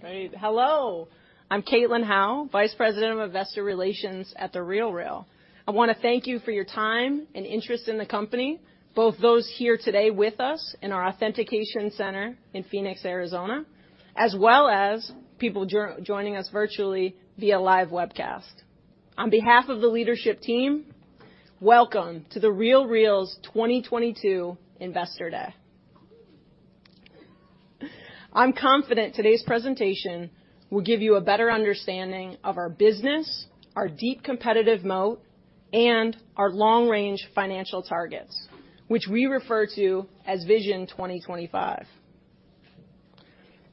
Great. Hello. I'm Caitlin Howe, Vice President of Investor Relations at The RealReal. I want to thank you for your time and interest in the company, both those here today with us in our authentication center in Phoenix, Arizona, as well as people joining us virtually via live webcast. On behalf of the leadership team, welcome to The RealReal's 2022 Investor Day. I'm confident today's presentation will give you a better understanding of our business, our deep competitive moat, and our long-range financial targets, which we refer to as Vision 2025.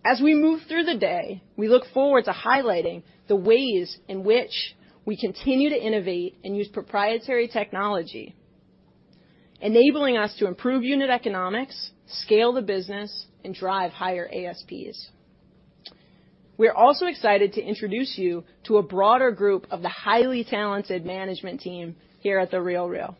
As we move through the day, we look forward to highlighting the ways in which we continue to innovate and use proprietary technology, enabling us to improve unit economics, scale the business, and drive higher ASPs. We're also excited to introduce you to a broader group of the highly talented management team here at The RealReal.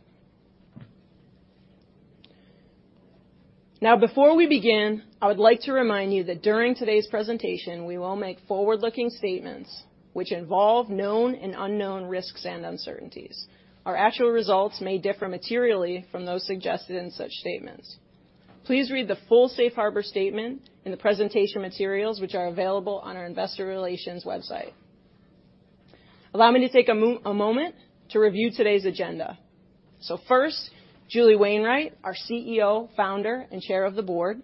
Now before we begin, I would like to remind you that during today's presentation, we will make forward-looking statements which involve known and unknown risks and uncertainties. Our actual results may differ materially from those suggested in such statements. Please read the full safe harbor statement in the presentation materials, which are available on our investor relations website. Allow me to take a moment to review today's agenda. First, Julie Wainwright, our CEO, founder, and chair of the board,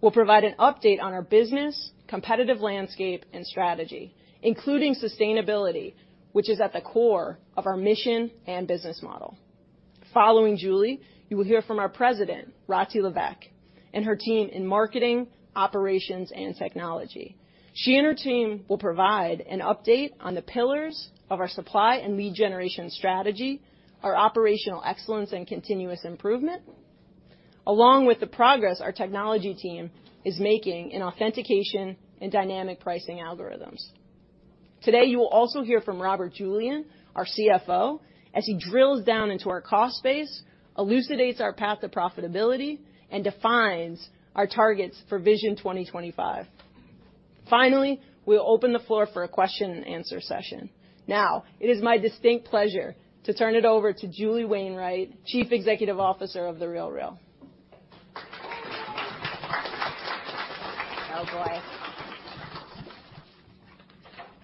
will provide an update on our business, competitive landscape, and strategy, including sustainability, which is at the core of our mission and business model. Following Julie, you will hear from our president, Rati Levesque, and her team in marketing, operations, and technology. She and her team will provide an update on the pillars of our supply and lead generation strategy, our operational excellence and continuous improvement, along with the progress our technology team is making in authentication and dynamic pricing algorithms. Today, you will also hear from Robert Julian, our CFO, as he drills down into our cost base, elucidates our path to profitability, and defines our targets for Vision 2025. Finally, we'll open the floor for a question and answer session. Now, it is my distinct pleasure to turn it over to Julie Wainwright, Chief Executive Officer of The RealReal. Oh, boy.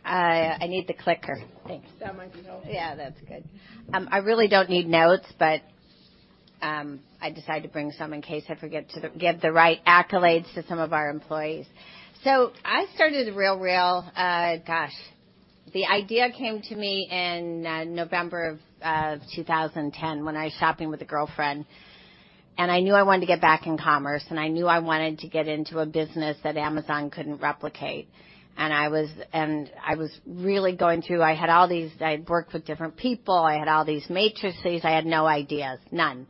I need the clicker. Thanks. That might be helpful. Yeah, that's good. I really don't need notes, but I decided to bring some in case I forget to give the right accolades to some of our employees. I started The RealReal, gosh, the idea came to me in November of 2010 when I was shopping with a girlfriend, and I knew I wanted to get back in commerce, and I knew I wanted to get into a business that Amazon couldn't replicate. I was really going through. I had worked with different people. I had all these matrices. I had no ideas, none.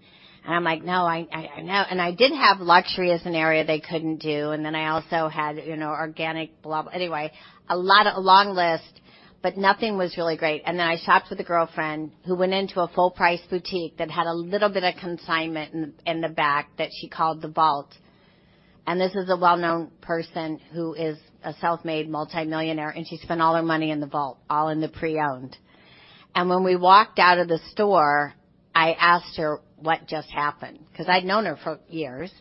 I'm like, "No, I know." I did have luxury as an area they couldn't do. Then I also had, you know, organic, blah. Anyway, a lot of. A long list, but nothing was really great. I shopped with a girlfriend who went into a full-price boutique that had a little bit of consignment in the back that she called The Vault. This is a well-known person who is a self-made multimillionaire, and she spent all her money in The Vault, all in the pre-owned. When we walked out of the store, I asked her what just happened, 'cause I'd known her for years,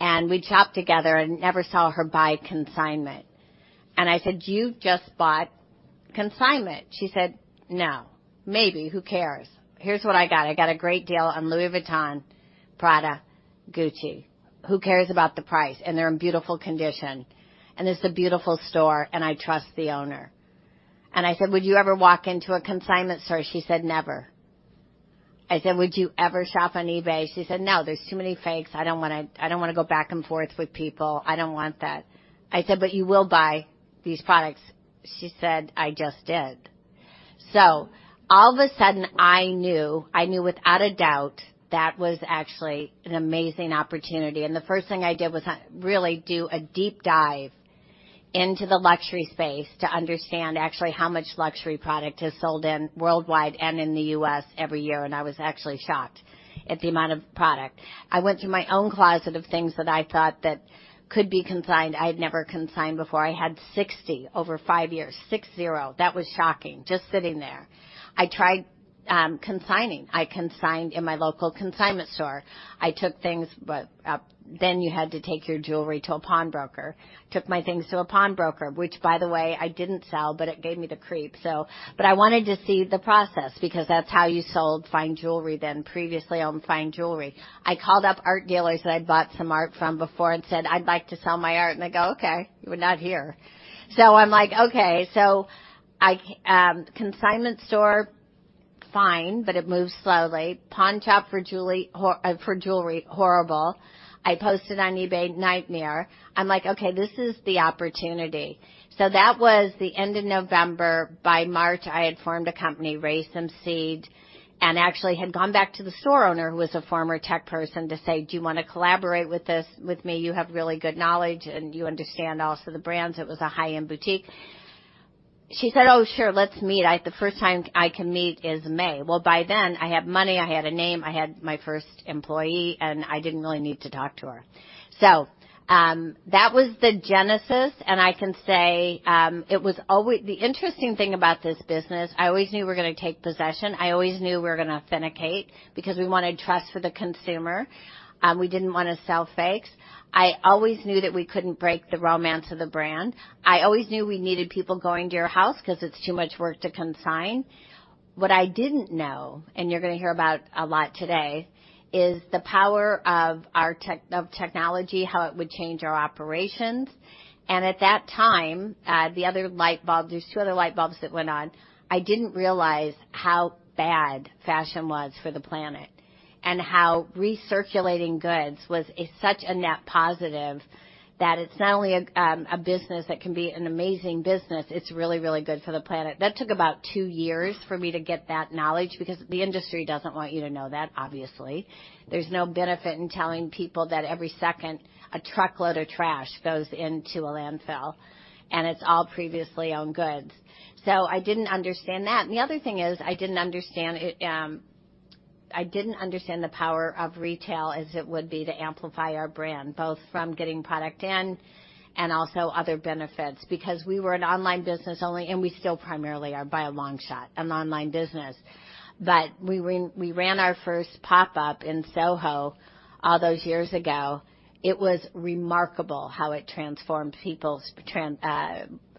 and we'd shopped together and never saw her buy consignment. I said, "You just bought consignment." She said, "No. Maybe. Who cares? Here's what I got. I got a great deal on Louis Vuitton, Prada, Gucci. Who cares about the price? They're in beautiful condition. It's a beautiful store, and I trust the owner." I said, "Would you ever walk into a consignment store?" She said, "Never." I said, "Would you ever shop on eBay?" She said, "No, there's too many fakes. I don't want to go back and forth with people. I don't want that." I said, "But you will buy these products?" She said, "I just did." All of a sudden, I knew without a doubt that was actually an amazing opportunity. The first thing I did was really do a deep dive into the luxury space to understand actually how much luxury product is sold worldwide and in the U.S. every year, and I was actually shocked at the amount of product. I went through my own closet of things that I thought that could be consigned. I'd never consigned before. I had 60 over five years. 60. That was shocking, just sitting there. I tried consigning. I consigned in my local consignment store. I took things, but then you had to take your jewelry to a pawnbroker. Took my things to a pawnbroker, which by the way, I didn't sell, but it gave me the creeps. I wanted to see the process because that's how you sold fine jewelry then, previously owned fine jewelry. I called up art dealers that I'd bought some art from before and said, "I'd like to sell my art." They go, "Okay. You are not here." I'm like, "Okay." Consignment store, fine, but it moves slowly. Pawnshop for jewelry, horrible. I posted on eBay, nightmare. I'm like, "Okay, this is the opportunity." That was the end of November. By March, I had formed a company, raised some seed, and actually had gone back to the store owner, who was a former tech person, to say, "Do you want to collaborate with me? You have really good knowledge, and you understand also the brands." It was a high-end boutique. She said, "Oh, sure. Let's meet. The first time I can meet is May." Well, by then, I had money, I had a name, I had my first employee, and I didn't really need to talk to her. That was the genesis, and I can say, it was always the interesting thing about this business, I always knew we're gonna take possession, I always knew we're gonna authenticate because we wanted trust for the consumer, we didn't want to sell fakes. I always knew that we couldn't break the romance of the brand. I always knew we needed people going to your house 'cause it's too much work to consign. What I didn't know, and you're gonna hear about a lot today, is the power of our technology, how it would change our operations. At that time, the other light bulb. There's two other light bulbs that went on. I didn't realize how bad fashion was for the planet and how recirculating goods was such a net positive that it's not only a business that can be an amazing business, it's really, really good for the planet. That took about two years for me to get that knowledge because the industry doesn't want you to know that, obviously. There's no benefit in telling people that every second a truckload of trash goes into a landfill, and it's all previously owned goods. I didn't understand that. The other thing is, I didn't understand it, I didn't understand the power of retail as it would be to amplify our brand, both from getting product in and also other benefits. Because we were an online business only, and we still primarily are by a long shot an online business. We ran our first pop-up in SoHo all those years ago. It was remarkable how it transformed people's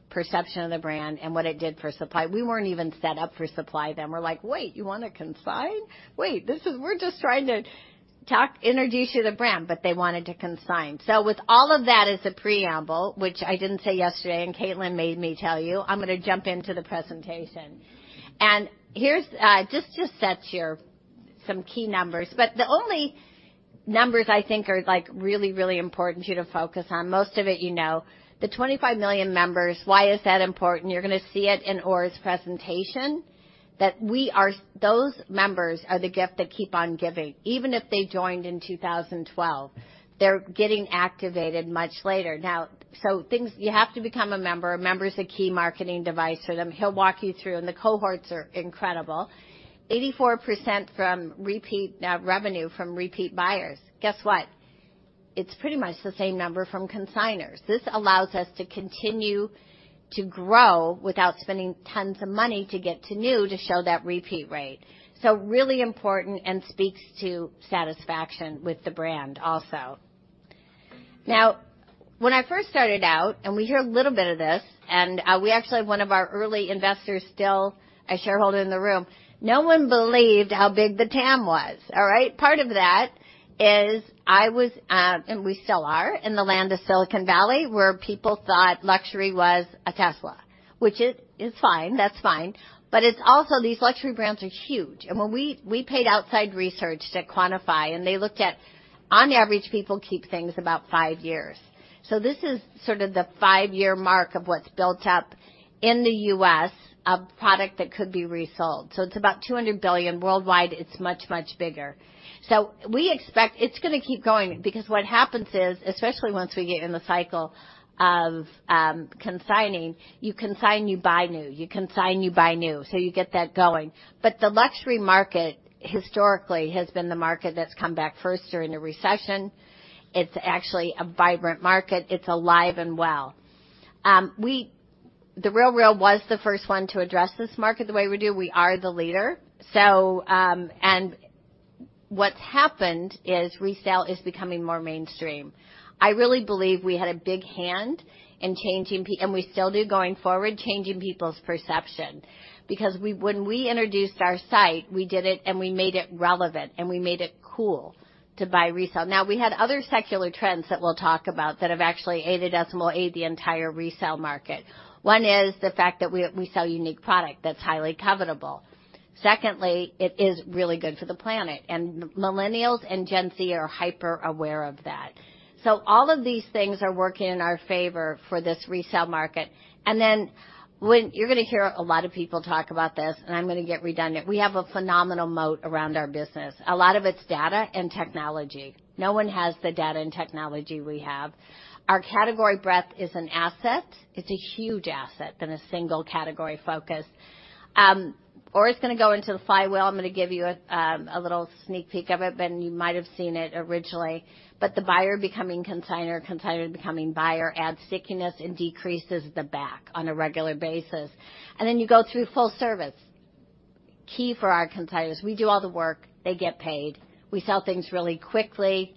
perception of the brand and what it did for supply. We weren't even set up for supply then. We're like, "Wait, you want to consign? Wait, we're just trying to introduce you to the brand." They wanted to consign. With all of that as a preamble, which I didn't say yesterday and Caitlin made me tell you, I'm gonna jump into the presentation. Here's just to set some key numbers. The only numbers I think are, like, really important for you to focus on, most of it you know. The 25 million members, why is that important? You're gonna see it in Orr's presentation, that those members are the gift that keep on giving. Even if they joined in 2012, they're getting activated much later. You have to become a member. A member is a key marketing device for them. He'll walk you through, and the cohorts are incredible. 84% from repeat revenue from repeat buyers. Guess what? It's pretty much the same number from consignors. This allows us to continue to grow without spending tons of money to get to new to show that repeat rate. Really important and speaks to satisfaction with the brand also. Now, when I first started out, and we hear a little bit of this, and we actually have one of our early investors, still a shareholder in the room, no one believed how big the TAM was, all right? Part of that is I was, and we still are, in the land of Silicon Valley, where people thought luxury was a Tesla, which is fine. That's fine. It's also these luxury brands are huge. When we paid outside research to quantify, and they looked at, on average, people keep things about five years. This is sort of the five-year mark of what's built up in the U.S., a product that could be resold. It's about $200 billion. Worldwide, it's much, much bigger. We expect it's gonna keep growing because what happens is, especially once we get in the cycle of consigning, you consign, you buy new, you consign, you buy new, so you get that going. The luxury market historically has been the market that's come back first during a recession. It's actually a vibrant market. It's alive and well. The RealReal was the first one to address this market the way we do. We are the leader. What's happened is resale is becoming more mainstream. I really believe we had a big hand in changing people's perception and we still do going forward. Because when we introduced our site, we did it and we made it relevant and we made it cool to buy resale. Now, we had other secular trends that we'll talk about that have actually aided us and will aid the entire resale market. One is the fact that we sell unique product that's highly covetable. Secondly, it is really good for the planet, and millennials and Gen Z are hyper-aware of that. All of these things are working in our favor for this resale market. You're gonna hear a lot of people talk about this, and I'm gonna get redundant. We have a phenomenal moat around our business. A lot of it's data and technology. No one has the data and technology we have. Our category breadth is an asset. It's a huge asset than a single category focus. Orr's gonna go into the flywheel. I'm gonna give you a little sneak peek of it, but you might have seen it originally. The buyer becoming consignor becoming buyer adds stickiness and decreases the churn on a regular basis. You go through full service, key for our consignors. We do all the work, they get paid. We sell things really quickly.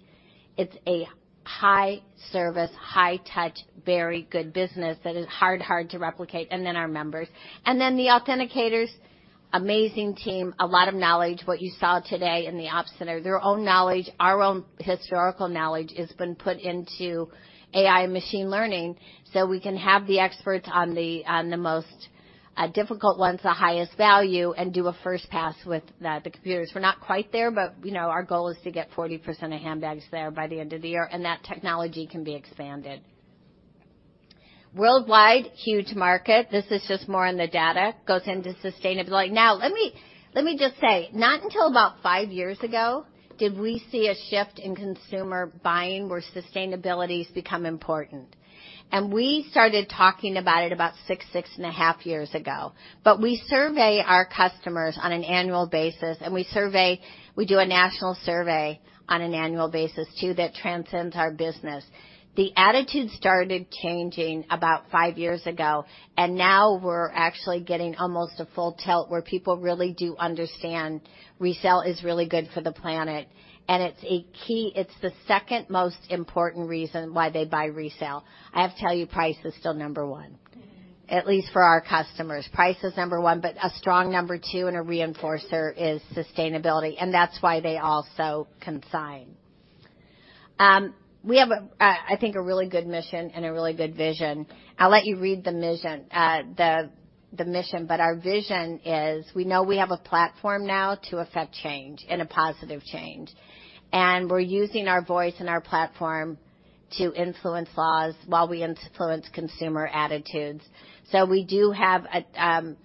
It's a high service, high touch, very good business that is hard to replicate, and our members. The authenticators, amazing team, a lot of knowledge. What you saw today in the ops center, their own knowledge, our own historical knowledge has been put into AI and machine learning, so we can have the experts on the most difficult ones, the highest value, and do a first pass with the computers. We're not quite there, but you know, our goal is to get 40% of handbags there by the end of the year, and that technology can be expanded. Worldwide, huge market. This is just more on the data, goes into sustainability. Now let me just say, not until about five years ago did we see a shift in consumer buying where sustainability's become important. We started talking about it about 6.5 years ago. We survey our customers on an annual basis, and we do a national survey on an annual basis too that transcends our business. The attitude started changing about five years ago, and now we're actually getting almost a full tilt where people really do understand resale is really good for the planet, and it's a key. It's the second most important reason why they buy resale. I have to tell you, price is still number one, at least for our customers. Price is number one, but a strong number two and a reinforcer is sustainability, and that's why they also consign. We have, I think, a really good mission and a really good vision. I'll let you read the mission, but our vision is we know we have a platform now to affect change and a positive change, and we're using our voice and our platform to influence laws while we influence consumer attitudes. We do have a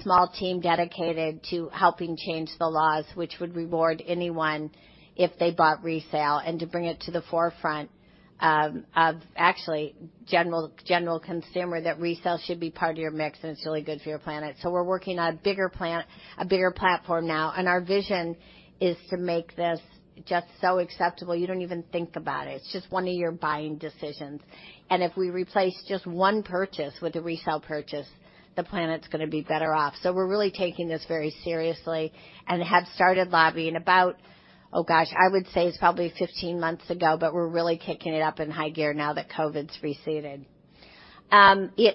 small team dedicated to helping change the laws which would reward anyone if they bought resale and to bring it to the forefront of actually general consumer that resale should be part of your mix, and it's really good for your planet. We're working on a bigger plan, a bigger platform now, and our vision is to make this just so acceptable, you don't even think about it. It's just one of your buying decisions. If we replace just one purchase with a resale purchase, the planet's gonna be better off. We're really taking this very seriously and have started lobbying about, oh, gosh, I would say it's probably 15 months ago, but we're really kicking it up in high gear now that COVID's receded.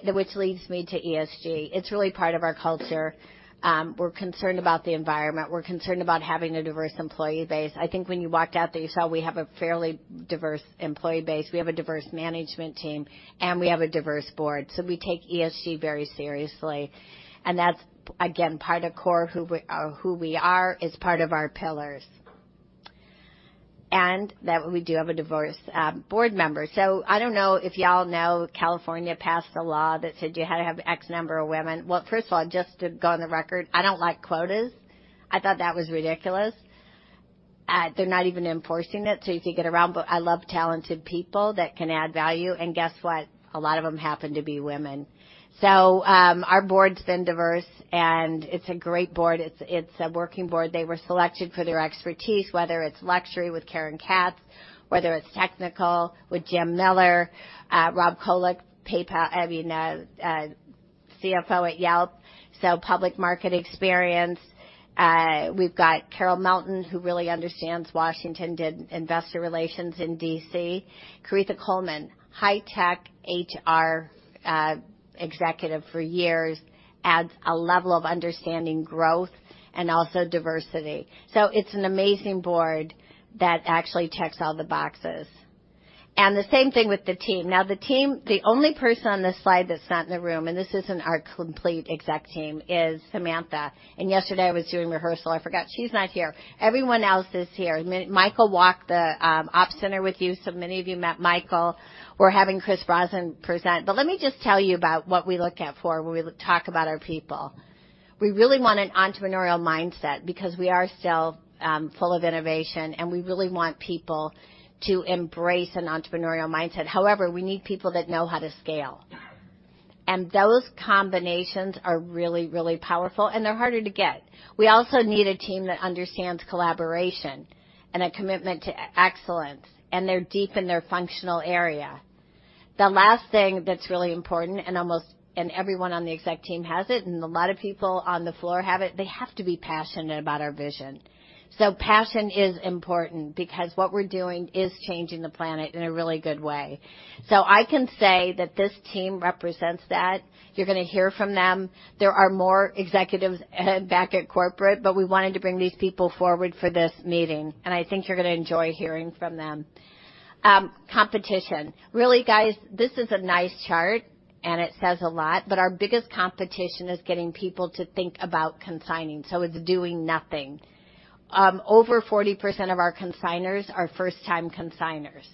Which leads me to ESG. It's really part of our culture. We're concerned about the environment. We're concerned about having a diverse employee base. I think when you walked out that you saw we have a fairly diverse employee base, we have a diverse management team, and we have a diverse board. We take ESG very seriously, and that's again part of core who we are. It's part of our pillars. That we do have a diverse board member. I don't know if y'all know California passed a law that said you had to have X number of women. Well, first of all, just to go on the record, I don't like quotas. I thought that was ridiculous. They're not even enforcing it, so you can get around. But I love talented people that can add value. Guess what? A lot of them happen to be women. Our board's been diverse, and it's a great board. It's a working board. They were selected for their expertise, whether it's luxury with Karen Katz, whether it's technical with Jim Miller, Rob Krolik, PayPal—I mean, CFO at Yelp, so public market experience. We've got Carol Melton, who really understands Washington, did investor relations in D.C. Caretha Coleman, high tech HR executive for years, adds a level of understanding growth and also diversity. It's an amazing board that actually checks all the boxes. The same thing with the team. Now, the team, the only person on this slide that's not in the room, and this isn't our complete exec team, is Samantha. Yesterday I was doing rehearsal. I forgot she's not here. Everyone else is here. Michael walked the ops center with you, so many of you met Michael. We're having Chris Brossman present. Let me just tell you about what we look out for when we talk about our people. We really want an entrepreneurial mindset because we are still full of innovation, and we really want people to embrace an entrepreneurial mindset. However, we need people that know how to scale. Those combinations are really, really powerful, and they're harder to get. We also need a team that understands collaboration and a commitment to excellence, and they're deep in their functional area. The last thing that's really important, and everyone on the exec team has it, and a lot of people on the floor have it, they have to be passionate about our vision. Passion is important because what we're doing is changing the planet in a really good way. I can say that this team represents that. You're gonna hear from them. There are more executives back at corporate, but we wanted to bring these people forward for this meeting, and I think you're gonna enjoy hearing from them. Competition. Really, guys, this is a nice chart, and it says a lot, but our biggest competition is getting people to think about consigning, so it's doing nothing. Over 40% of our consignors are first-time consignors.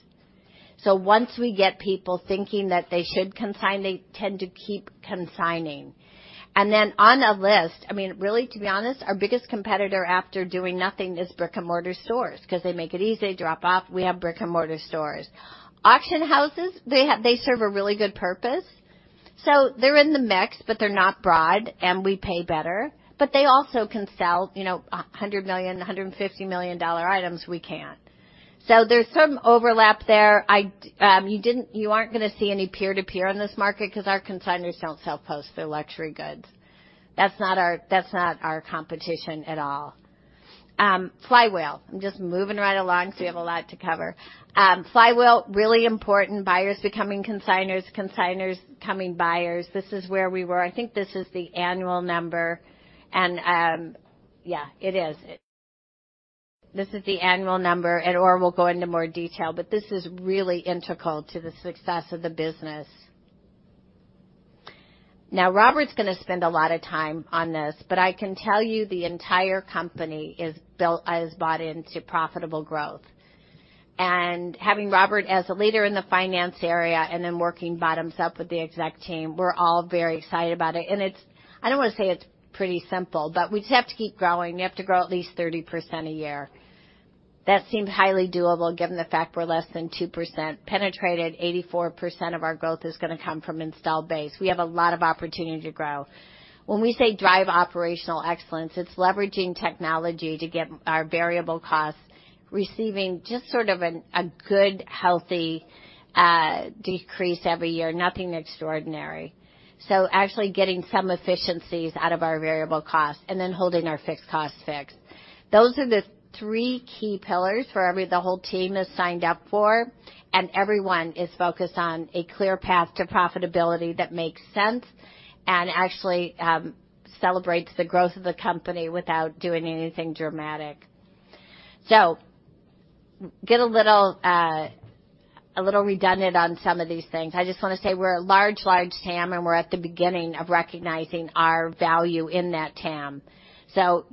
Once we get people thinking that they should consign, they tend to keep consigning. On the list, I mean, really, to be honest, our biggest competitor after doing nothing is brick-and-mortar stores because they make it easy, drop off. We have brick-and-mortar stores. Auction houses, they serve a really good purpose. They're in the mix, but they're not broad and we pay better. They also can sell, you know, $100 million-$150 million items we can't. So there's some overlap there. You aren't gonna see any peer-to-peer on this market 'cause our consignors don't sell post their luxury goods. That's not our competition at all. Flywheel. I'm just moving right along because we have a lot to cover. Flywheel, really important. Buyers becoming consignors becoming buyers. This is where we were. I think this is the annual number and, yeah, it is. This is the annual number and Orr will go into more detail. This is really integral to the success of the business. Now Robert's gonna spend a lot of time on this, but I can tell you the entire company has bought in to profitable growth. Having Robert as a leader in the finance area and then working bottoms up with the exec team, we're all very excited about it. It's I don't want to say it's pretty simple, but we just have to keep growing. We have to grow at least 30% a year. That seems highly doable given the fact we're less than 2% penetrated. 84% of our growth is gonna come from installed base. We have a lot of opportunity to grow. When we say drive operational excellence, it's leveraging technology to get our variable costs receiving just sort of a good, healthy decrease every year, nothing extraordinary. Actually getting some efficiencies out of our variable costs and then holding our fixed costs fixed. Those are the three key pillars for the whole team is signed up for, and everyone is focused on a clear path to profitability that makes sense and actually celebrates the growth of the company without doing anything dramatic. Get a little redundant on some of these things. I just want to say we're a large TAM, and we're at the beginning of recognizing our value in that TAM.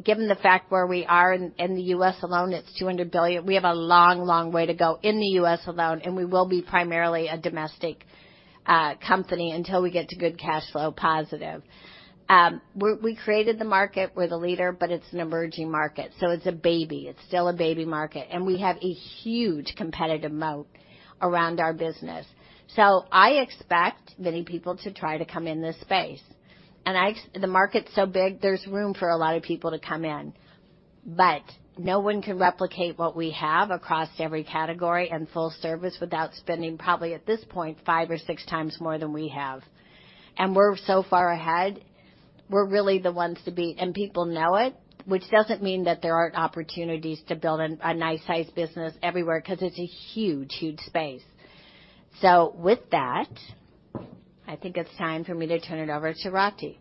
Given the fact where we are in the U.S. alone, it's $200 billion. We have a long way to go in the U.S. alone, and we will be primarily a domestic company until we get to good cash flow positive. We created the market, we're the leader, but it's an emerging market, so it's a baby. It's still a baby market. We have a huge competitive moat around our business. I expect many people to try to come in this space. The market's so big, there's room for a lot of people to come in. No one can replicate what we have across every category and full service without spending probably, at this point, five or six times more than we have. We're so far ahead, we're really the ones to beat, and people know it, which doesn't mean that there aren't opportunities to build a nice sized business everywhere 'cause it's a huge, huge space. With that, I think it's time for me to turn it over to Rati.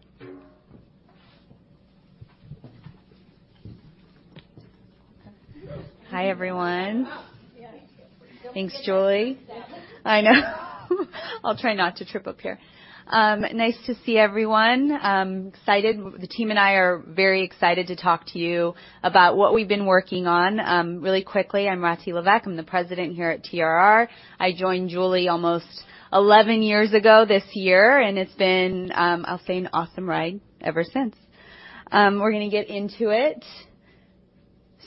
Hi, everyone. Yeah. Thanks, Julie. Don't trip up here. I know. I'll try not to trip up here. Nice to see everyone. I'm excited. The team and I are very excited to talk to you about what we've been working on. Really quickly, I'm Rati Sahi Levesque. I'm the President here at TRR. I joined Julie almost 11 years ago this year, and it's been. I'll say an awesome ride ever since. We're gonna get into it.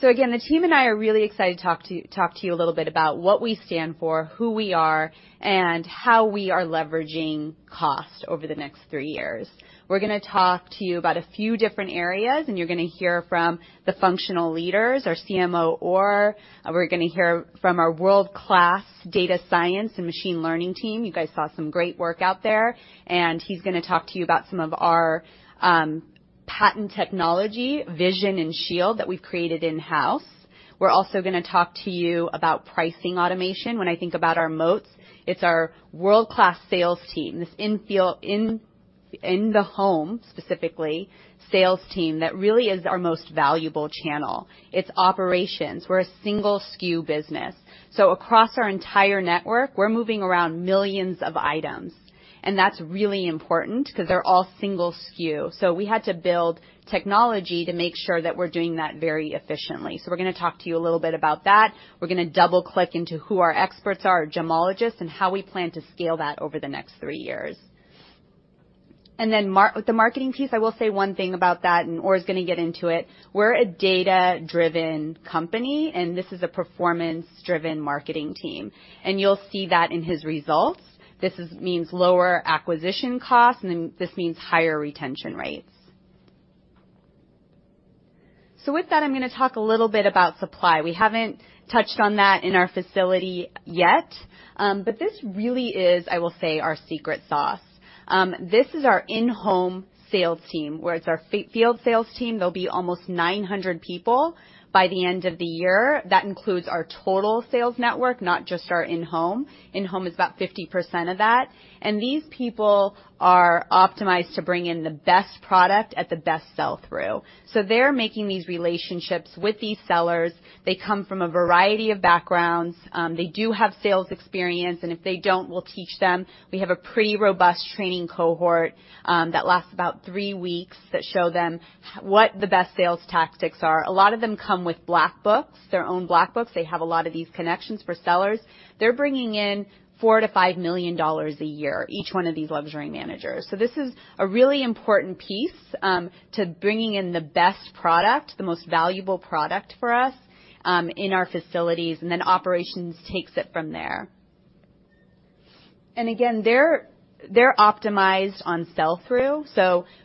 Again, the team and I are really excited to talk to you a little bit about what we stand for, who we are, and how we are leveraging AI over the next three years. We're gonna talk to you about a few different areas, and you're gonna hear from the functional leaders, our CMO, Orr Shakked. We're gonna hear from our world-class data science and machine learning team. You guys saw some great work out there, and he's gonna talk to you about some of our patent technology, Vision and Shield, that we've created in-house. We're also gonna talk to you about pricing automation. When I think about our moats, it's our world-class sales team. This in the home, specifically, sales team that really is our most valuable channel. It's operations. We're a single SKU business. Across our entire network, we're moving around millions of items. That's really important because they're all single SKU. We had to build technology to make sure that we're doing that very efficiently. We're gonna talk to you a little bit about that. We're gonna double-click into who our experts are, gemologists, and how we plan to scale that over the next three years. The marketing piece, I will say one thing about that, and Orr is gonna get into it. We're a data-driven company, and this is a performance-driven marketing team. You'll see that in his results. This means lower acquisition costs, and then this means higher retention rates. With that, I'm gonna talk a little bit about supply. We haven't touched on that in our facility yet, but this really is, I will say, our secret sauce. This is our in-home sales team, where it's our field sales team. There'll be almost 900 people by the end of the year. That includes our total sales network, not just our in-home. In-home is about 50% of that. These people are optimized to bring in the best product at the best sell-through. They're making these relationships with these sellers. They come from a variety of backgrounds. They do have sales experience, and if they don't, we'll teach them. We have a pretty robust training cohort that lasts about three weeks that show them what the best sales tactics are. A lot of them come with black books, their own black books. They have a lot of these connections for sellers. They're bringing in $4 million-$5 million a year, each one of these luxury managers. This is a really important piece to bringing in the best product, the most valuable product for us in our facilities, and then operations takes it from there. They're optimized on sell-through,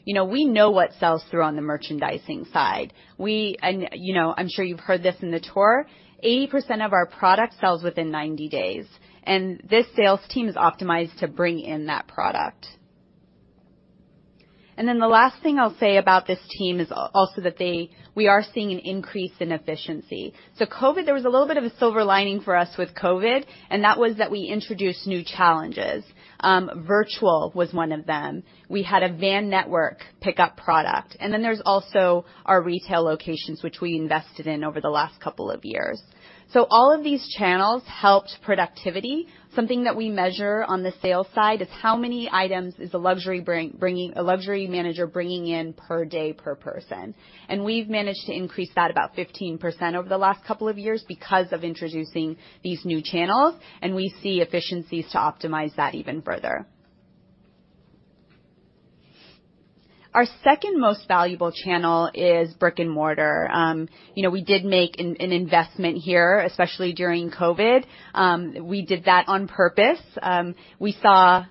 you know, we know what sells through on the merchandising side. You know, I'm sure you've heard this in the tour. 80% of our product sells within 90 days, and this sales team is optimized to bring in that product. The last thing I'll say about this team is also that we are seeing an increase in efficiency. COVID, there was a little bit of a silver lining for us with COVID, and that was that we introduced new channels. Virtual was one of them. We had a van network pick up product. There's also our retail locations, which we invested in over the last couple of years. All of these channels helped productivity. Something that we measure on the sales side is how many items is a luxury manager bringing in per day per person. We've managed to increase that about 15% over the last couple of years because of introducing these new channels, and we see efficiencies to optimize that even further. Our second most valuable channel is brick-and-mortar. We did make an investment here, especially during COVID. We did that on purpose. We saw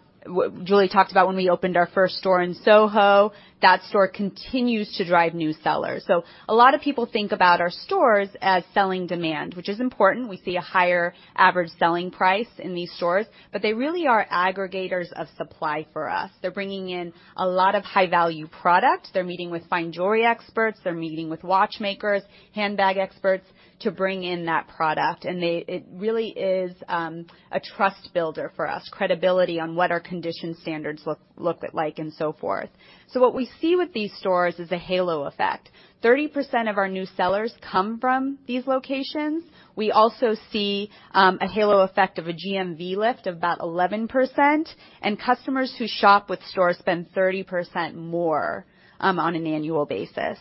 Julie talked about when we opened our first store in SoHo, that store continues to drive new sellers. A lot of people think about our stores as selling demand, which is important. We see a higher average selling price in these stores, but they really are aggregators of supply for us. They're bringing in a lot of high-value products. They're meeting with fine jewelry experts, they're meeting with watchmakers, handbag experts to bring in that product. It really is a trust builder for us, credibility on what our condition standards look like, and so forth. What we see with these stores is a halo effect. 30% of our new sellers come from these locations. We also see a halo effect of a GMV lift of about 11%, and customers who shop with stores spend 30% more on an annual basis.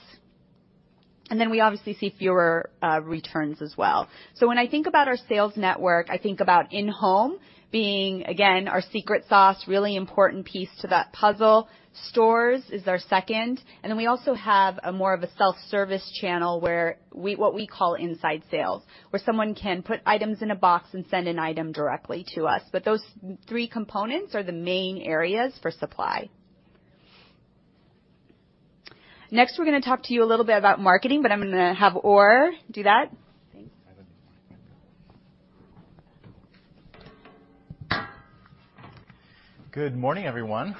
We obviously see fewer returns as well. When I think about our sales network, I think about in-home being, again, our secret sauce, really important piece to that puzzle. Stores is our second. We also have more of a self-service channel where what we call inside sales, where someone can put items in a box and send an item directly to us. Those three components are the main areas for supply. Next, we're gonna talk to you a little bit about marketing, but I'm gonna have Orr do that. Thanks. Good morning, everyone.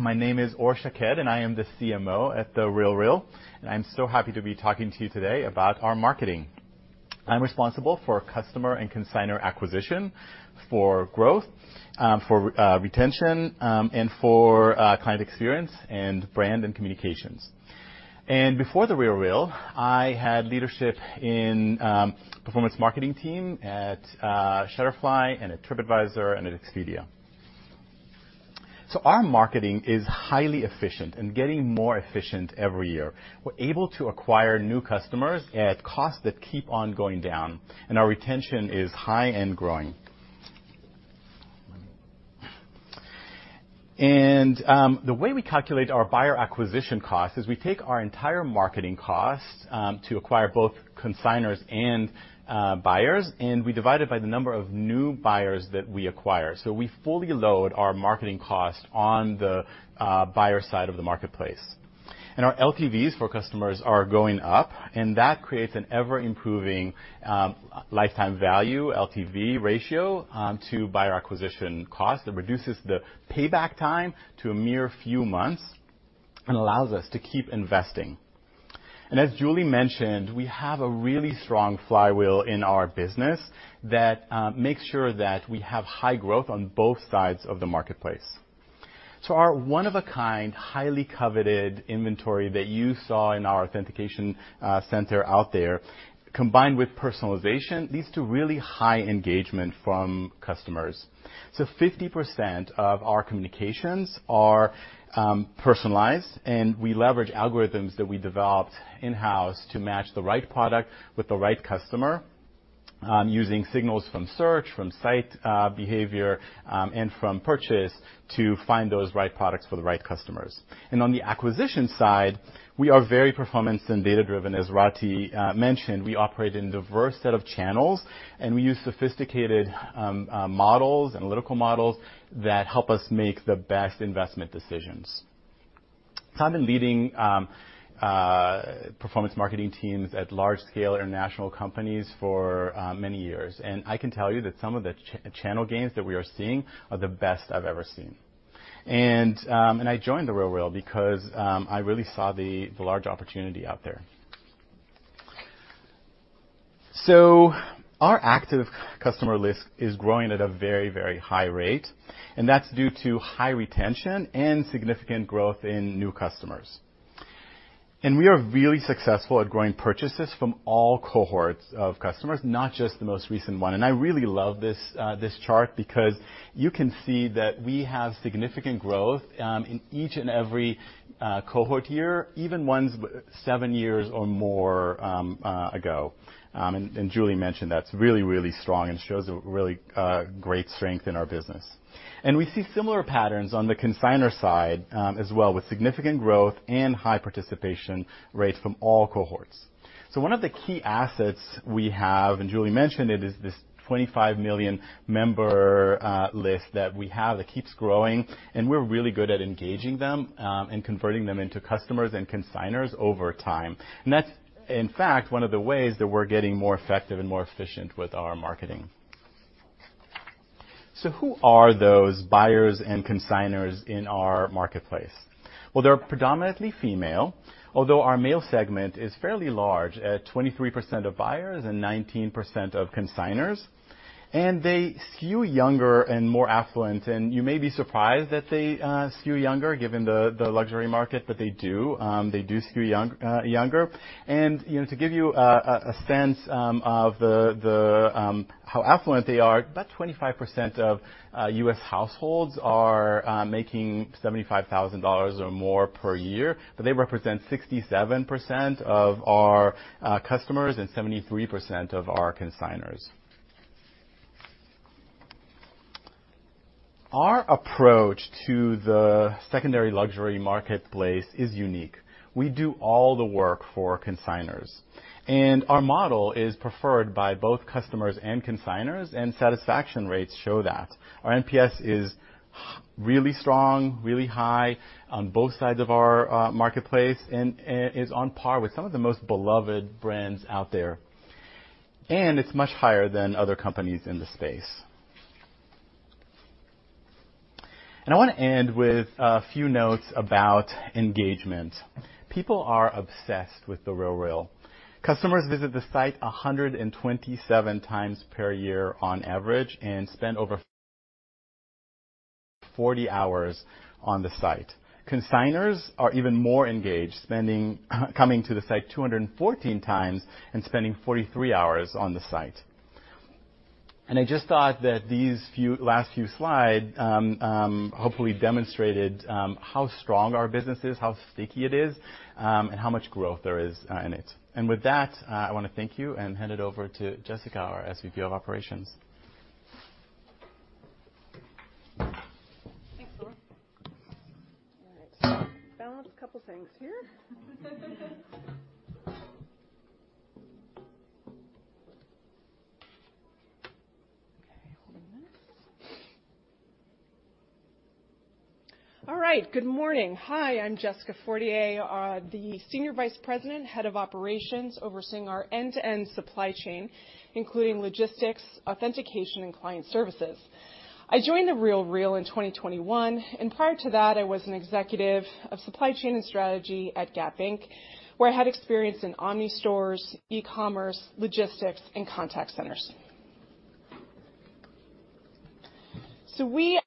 My name is Orr Shakked, and I am the CMO at The RealReal, and I'm so happy to be talking to you today about our marketing. I'm responsible for customer and consignor acquisition, for growth, for retention, and for client experience and brand and communications. Before The RealReal, I had leadership in performance marketing team at Shutterfly and at TripAdvisor and at Expedia. Our marketing is highly efficient and getting more efficient every year. We're able to acquire new customers at costs that keep on going down, and our retention is high and growing. The way we calculate our buyer acquisition cost is we take our entire marketing cost to acquire both consignors and buyers, and we divide it by the number of new buyers that we acquire. We fully load our marketing cost on the buyer side of the marketplace. Our LTVs for customers are going up, and that creates an ever-improving lifetime value, LTV ratio to buyer acquisition cost. It reduces the payback time to a mere few months and allows us to keep investing. As Julie mentioned, we have a really strong flywheel in our business that makes sure that we have high growth on both sides of the marketplace. Our one-of-a-kind, highly coveted inventory that you saw in our authentication center out there, combined with personalization, leads to really high engagement from customers. 50% of our communications are personalized, and we leverage algorithms that we developed in-house to match the right product with the right customer using signals from search, from site behavior, and from purchase to find those right products for the right customers. On the acquisition side, we are very performance and data-driven. As Rati mentioned, we operate in a diverse set of channels, and we use sophisticated analytical models that help us make the best investment decisions. I've been leading performance marketing teams at large-scale international companies for many years, and I can tell you that some of the channel gains that we are seeing are the best I've ever seen. I joined The RealReal because I really saw the large opportunity out there. Our active customer list is growing at a very, very high rate, and that's due to high retention and significant growth in new customers. We are really successful at growing purchases from all cohorts of customers, not just the most recent one. I really love this chart because you can see that we have significant growth in each and every cohort here, even ones seven years or more ago. Julie mentioned that's really, really strong and shows a really great strength in our business. We see similar patterns on the consignor side as well, with significant growth and high participation rates from all cohorts. One of the key assets we have, and Julie mentioned it, is this 25 million member list that we have that keeps growing, and we're really good at engaging them, and converting them into customers and consignors over time. That's, in fact, one of the ways that we're getting more effective and more efficient with our marketing. Who are those buyers and consignors in our marketplace? Well, they're predominantly female, although our male segment is fairly large at 23% of buyers and 19% of consignors, and they skew younger and more affluent. You may be surprised that they skew younger given the luxury market, but they do. They do skew younger. You know, to give you a sense of the how affluent they are, 25% of U.S. households are making $75,000 or more per year, but they represent 67% of our customers and 73% of our consignors. Our approach to the secondary luxury marketplace is unique. We do all the work for consignors, and our model is preferred by both customers and consignors, and satisfaction rates show that. Our NPS is really strong, really high on both sides of our marketplace and is on par with some of the most beloved brands out there. It's much higher than other companies in the space. I want to end with a few notes about engagement. People are obsessed with The RealReal. Customers visit the site 127 times per year on average and spend over 40 hours on the site. Consignors are even more engaged, coming to the site 214 times and spending 43 hours on the site. I just thought that last few slide hopefully demonstrated how strong our business is, how sticky it is, and how much growth there is in it. With that, I want to thank you and hand it over to Jessica, our SVP of Operations. Thanks, all right. Balance a couple things here. Okay, one moment. All right. Good morning. Hi, I'm Jessica Fortier, the Senior Vice President, Head of Operations, overseeing our end-to-end supply chain, including logistics, authentication, and client services. I joined The RealReal in 2021, and prior to that, I was an executive of supply chain and strategy at Gap Inc., where I had experience in omnistores, e-commerce, logistics, and contact centers. We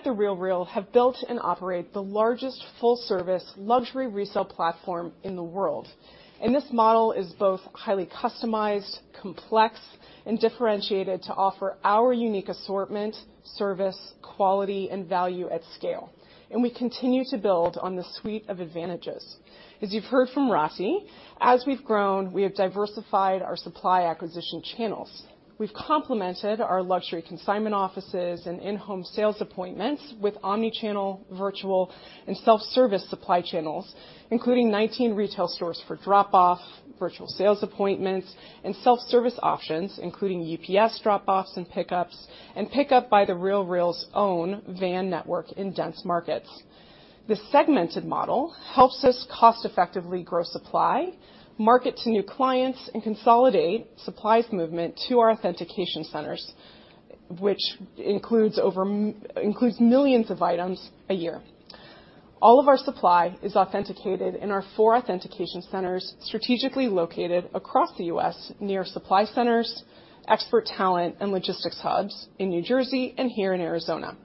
at The RealReal have built and operate the largest full-service luxury resale platform in the world, and this model is both highly customized, complex, and differentiated to offer our unique assortment, service, quality, and value at scale, and we continue to build on the suite of advantages. As you've heard from Rati, as we've grown, we have diversified our supply acquisition channels. We've complemented our luxury consignment offices and in-home sales appointments with omni-channel, virtual, and self-service supply channels, including 19 retail stores for drop-off, virtual sales appointments, and self-service options, including UPS drop-offs and pickups, and pickup by The RealReal's own van network in dense markets. This segmented model helps us cost-effectively grow supply, market to new clients, and consolidate supplies movement to our authentication centers, which includes millions of items a year. All of our supply is authenticated in our four authentication centers, strategically located across the U.S., near supply centers, expert talent, and logistics hubs in New Jersey and here in Arizona.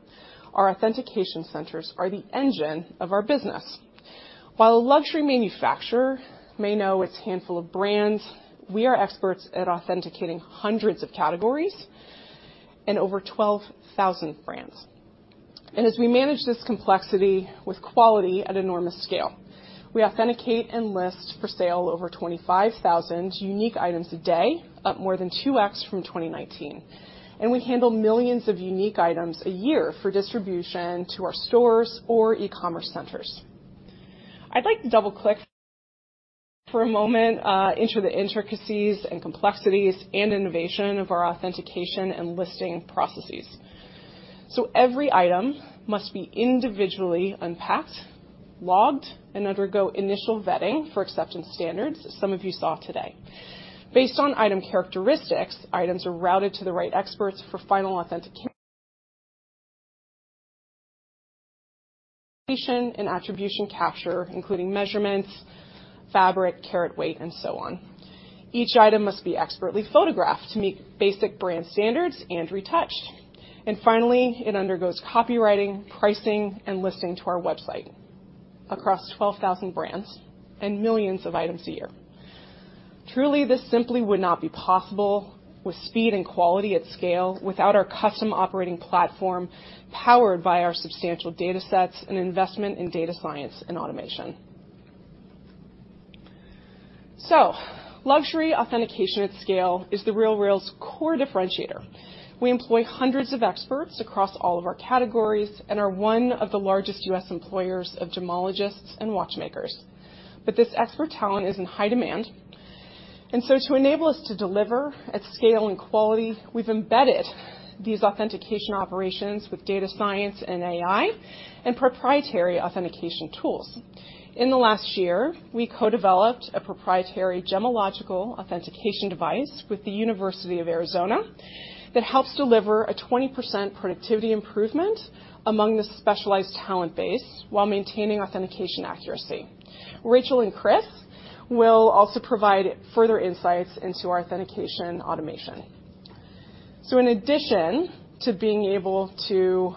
Our authentication centers are the engine of our business. While a luxury manufacturer may know a handful of brands, we are experts at authenticating hundreds of categories and over 12,000 brands. As we manage this complexity with quality at enormous scale, we authenticate and list for sale over 25,000 unique items a day, up more than 2x from 2019. We handle millions of unique items a year for distribution to our stores or e-commerce centers. I'd like to double-click for a moment into the intricacies and complexities and innovation of our authentication and listing processes. Every item must be individually unpacked, logged, and undergo initial vetting for acceptance standards, as some of you saw today. Based on item characteristics, items are routed to the right experts for final authentication and attribution capture, including measurements, fabric, carat weight, and so on. Each item must be expertly photographed to meet basic brand standards and retouched. Finally, it undergoes copywriting, pricing, and listing to our website across 12,000 brands and millions of items a year. Truly, this simply would not be possible with speed and quality at scale without our custom operating platform, powered by our substantial datasets and investment in data science and automation. Luxury authentication at scale is The RealReal's core differentiator. We employ hundreds of experts across all of our categories and are one of the largest U.S. employers of gemologists and watchmakers. This expert talent is in high demand. To enable us to deliver at scale and quality, we've embedded these authentication operations with data science and AI and proprietary authentication tools. In the last year, we co-developed a proprietary gemological authentication device with the University of Arizona that helps deliver a 20% productivity improvement among the specialized talent base while maintaining authentication accuracy. Rachel and Chris will also provide further insights into our authentication automation. In addition to being able to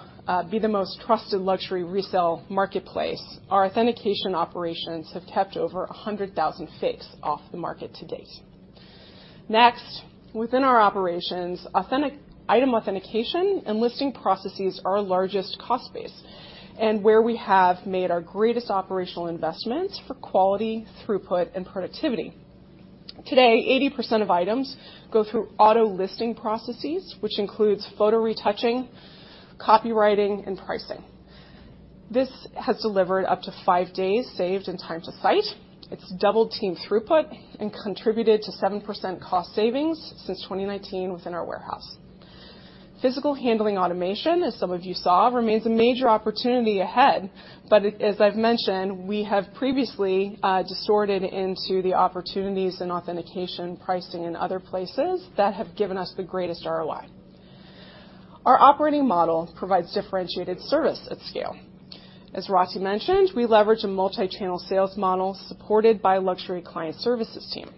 be the most trusted luxury resale marketplace, our authentication operations have kept over 100,000 fakes off the market to date. Next, within our operations, item authentication and listing processes are our largest cost base and where we have made our greatest operational investments for quality, throughput, and productivity. Today, 80% of items go through auto-listing processes, which includes photo retouching, copywriting, and pricing. This has delivered up to 5 days saved in time to site. It's doubled team throughput and contributed to 7% cost savings since 2019 within our warehouse. Physical handling automation, as some of you saw, remains a major opportunity ahead, but as I've mentioned, we have previously diverted into the opportunities in authentication, pricing, and other places that have given us the greatest ROI. Our operating model provides differentiated service at scale. As Rati mentioned, we leverage a multi-channel sales model supported by luxury client services team.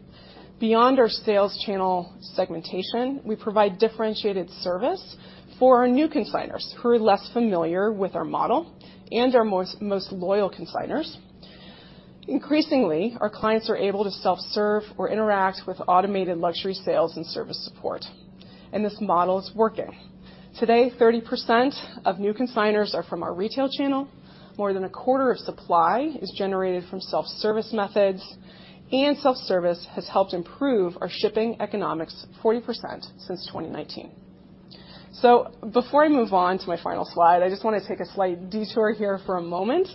Beyond our sales channel segmentation, we provide differentiated service for our new consignors who are less familiar with our model and our most loyal consignors. Increasingly, our clients are able to self-serve or interact with automated luxury sales and service support, and this model is working. Today, 30% of new consignors are from our retail channel. More than a quarter of supply is generated from self-service methods, and self-service has helped improve our shipping economics 40% since 2019. Before I move on to my final slide, I just want to take a slight detour here for a moment,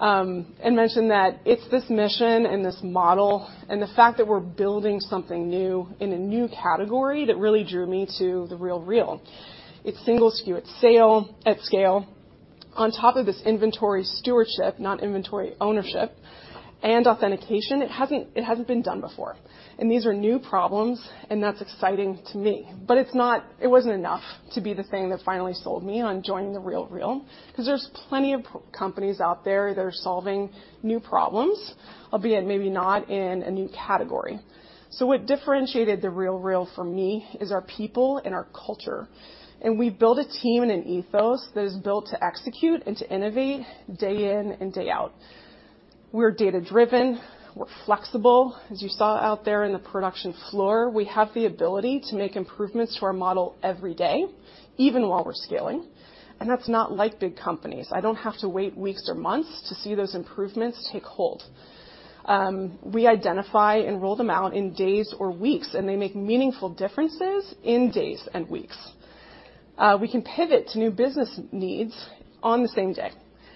and mention that it's this mission and this model and the fact that we're building something new in a new category that really drew me to The RealReal. It's single SKU at scale. On top of this inventory stewardship, not inventory ownership, and authentication, it hasn't been done before. These are new problems, and that's exciting to me. It wasn't enough to be the thing that finally sold me on joining The RealReal, 'cause there's plenty of companies out there that are solving new problems, albeit maybe not in a new category. What differentiated The RealReal for me is our people and our culture. We built a team and an ethos that is built to execute and to innovate day in and day out. We're data-driven. We're flexible. As you saw out there in the production floor, we have the ability to make improvements to our model every day, even while we're scaling, and that's not like big companies. I don't have to wait weeks or months to see those improvements take hold. We identify and roll them out in days or weeks, and they make meaningful differences in days and weeks. We can pivot to new business needs on the same day,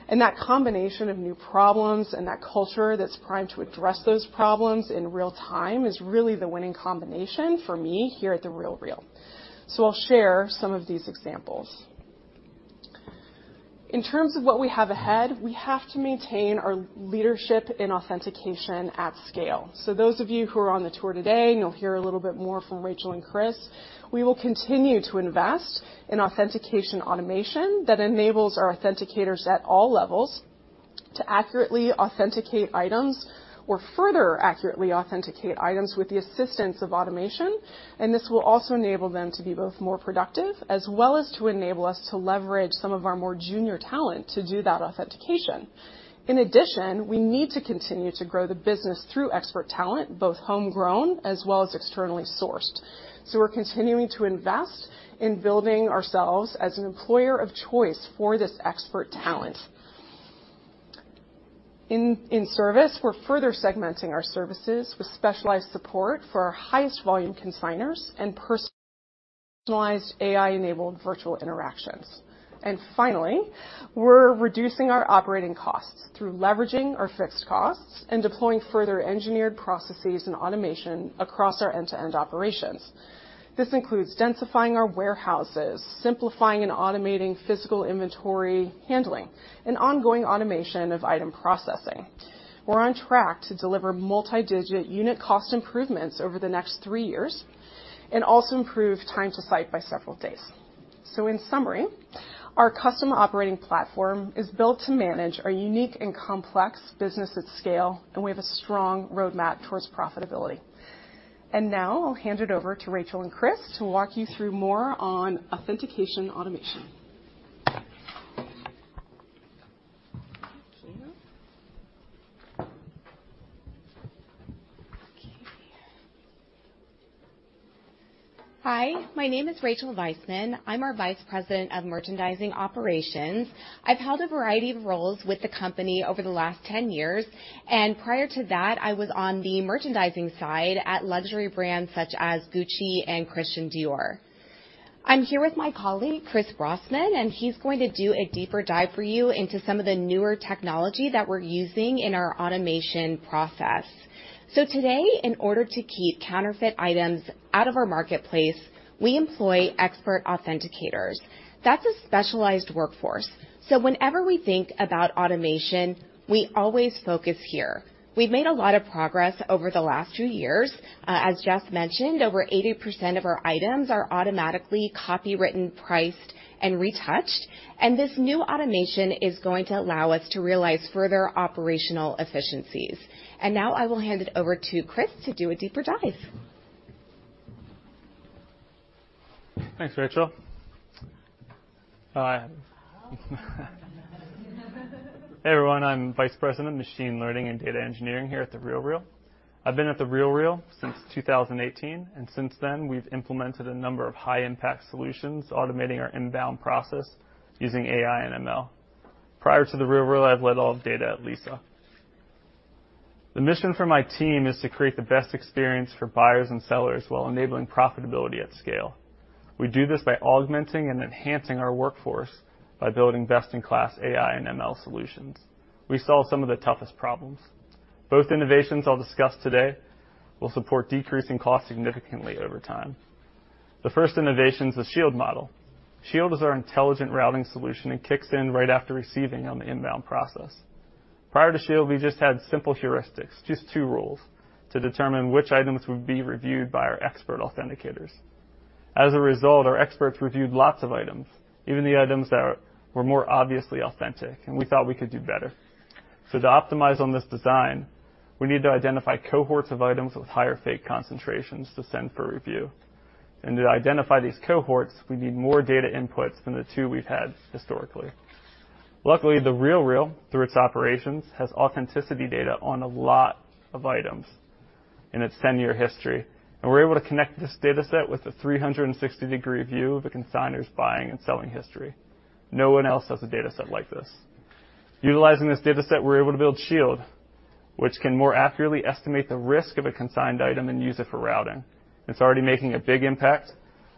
and that combination of new problems and that culture that's primed to address those problems in real time is really the winning combination for me here at The RealReal. I'll share some of these examples. In terms of what we have ahead, we have to maintain our leadership in authentication at scale. Those of you who are on the tour today, and you'll hear a little bit more from Rachel and Chris, we will continue to invest in authentication automation that enables our authenticators at all levels to accurately authenticate items or further accurately authenticate items with the assistance of automation, and this will also enable them to be both more productive, as well as to enable us to leverage some of our more junior talent to do that authentication. In addition, we need to continue to grow the business through expert talent, both homegrown as well as externally sourced. We're continuing to invest in building ourselves as an employer of choice for this expert talent. In service, we're further segmenting our services with specialized support for our highest volume consignors and personalized AI-enabled virtual interactions. Finally, we're reducing our operating costs through leveraging our fixed costs and deploying further engineered processes and automation across our end-to-end operations. This includes densifying our warehouses, simplifying and automating physical inventory handling, and ongoing automation of item processing. We're on track to deliver multi-digit unit cost improvements over the next three years and also improve time to site by several days. In summary, our custom operating platform is built to manage our unique and complex business at scale, and we have a strong roadmap towards profitability. Now I'll hand it over to Rachel and Chris to walk you through more on authentication automation. Thank you. Okay. Hi, my name is Rachel Vaisman. I'm our Vice President of Merchandising Operations. I've held a variety of roles with the company over the last 10 years, and prior to that, I was on the merchandising side at luxury brands such as Gucci and Christian Dior. I'm here with my colleague, Chris Brossman, and he's going to do a deeper dive for you into some of the newer technology that we're using in our automation process. Today, in order to keep counterfeit items out of our marketplace, we employ expert authenticators. That's a specialized workforce. Whenever we think about automation, we always focus here. We've made a lot of progress over the last 2 years. As Jess mentioned, over 80% of our items are automatically copyrighted, priced, and retouched, and this new automation is going to allow us to realize further operational efficiencies. Now I will hand it over to Chris to do a deeper dive. Thanks, Rachel. Hi. Hey, everyone. I'm Vice President of Machine Learning and Data Engineering here at The RealReal. I've been at The RealReal since 2018, and since then, we've implemented a number of high impact solutions, automating our inbound process using AI and ML. Prior to The RealReal, I've led all of data at Lyft. The mission for my team is to create the best experience for buyers and sellers while enabling profitability at scale. We do this by augmenting and enhancing our workforce by building best-in-class AI and ML solutions. We solve some of the toughest problems. Both innovations I'll discuss today will support decreasing costs significantly over time. The first innovation is the Shield model. Shield is our intelligent routing solution and kicks in right after receiving on the inbound process. Prior to Shield, we just had simple heuristics, just two rules to determine which items would be reviewed by our expert authenticators. As a result, our experts reviewed lots of items, even the items that were more obviously authentic, and we thought we could do better. To optimize on this design, we need to identify cohorts of items with higher fake concentrations to send for review. To identify these cohorts, we need more data inputs than the two we've had historically. Luckily, The RealReal, through its operations, has authenticity data on a lot of items in its 10-year history, and we're able to connect this data set with a 360-degree view of the consignor's buying and selling history. No one else has a data set like this. Utilizing this data set, we're able to build Shield, which can more accurately estimate the risk of a consigned item and use it for routing. It's already making a big impact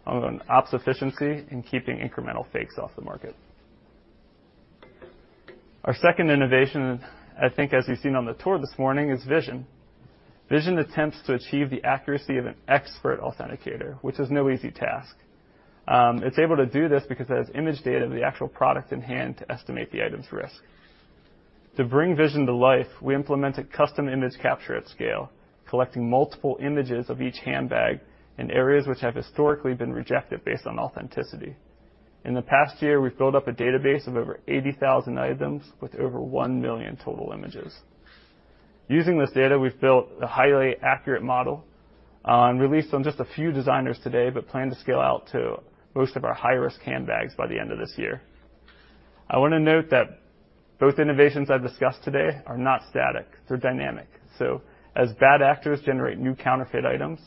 on ops efficiency and keeping incremental fakes off the market. Our second innovation, I think as you've seen on the tour this morning, is Vision. Vision attempts to achieve the accuracy of an expert authenticator, which is no easy task. It's able to do this because it has image data of the actual product in hand to estimate the item's risk. To bring Vision to life, we implemented custom image capture at scale, collecting multiple images of each handbag in areas which have historically been rejected based on authenticity. In the past year, we've built up a database of over 80,000 items with over 1 million total images. Using this data, we've built a highly accurate model, and released on just a few designers today, but plan to scale out to most of our high-risk handbags by the end of this year. I want to note that both innovations I've discussed today are not static, they're dynamic. As bad actors generate new counterfeit items,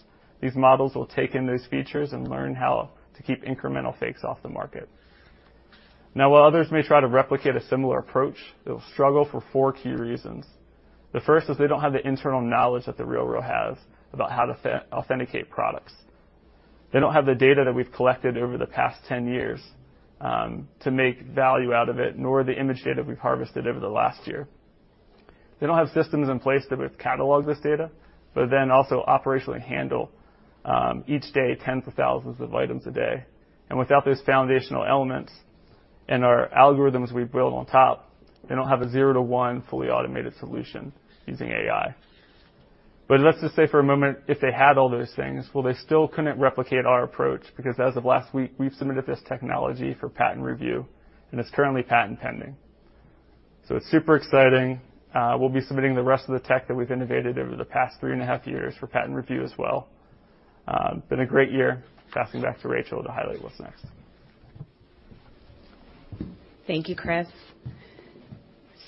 these models will take in those features and learn how to keep incremental fakes off the market. Now, while others may try to replicate a similar approach, they'll struggle for four key reasons. The first is they don't have the internal knowledge that The RealReal has about how to authenticate products. They don't have the data that we've collected over the past 10 years, to make value out of it, nor the image data we've harvested over the last year. They don't have systems in place that we've cataloged this data, but then also operationally handle each day, tens of thousands of items a day. Without these foundational elements and our algorithms we build on top, they don't have a zero to one fully automated solution using AI. Let's just say for a moment, if they had all those things, well, they still couldn't replicate our approach because as of last week, we've submitted this technology for patent review, and it's currently patent pending. It's super exciting. We'll be submitting the rest of the tech that we've innovated over the past three and a half years for patent review as well. It's been a great year. Passing back to Rachel to highlight what's next. Thank you, Chris.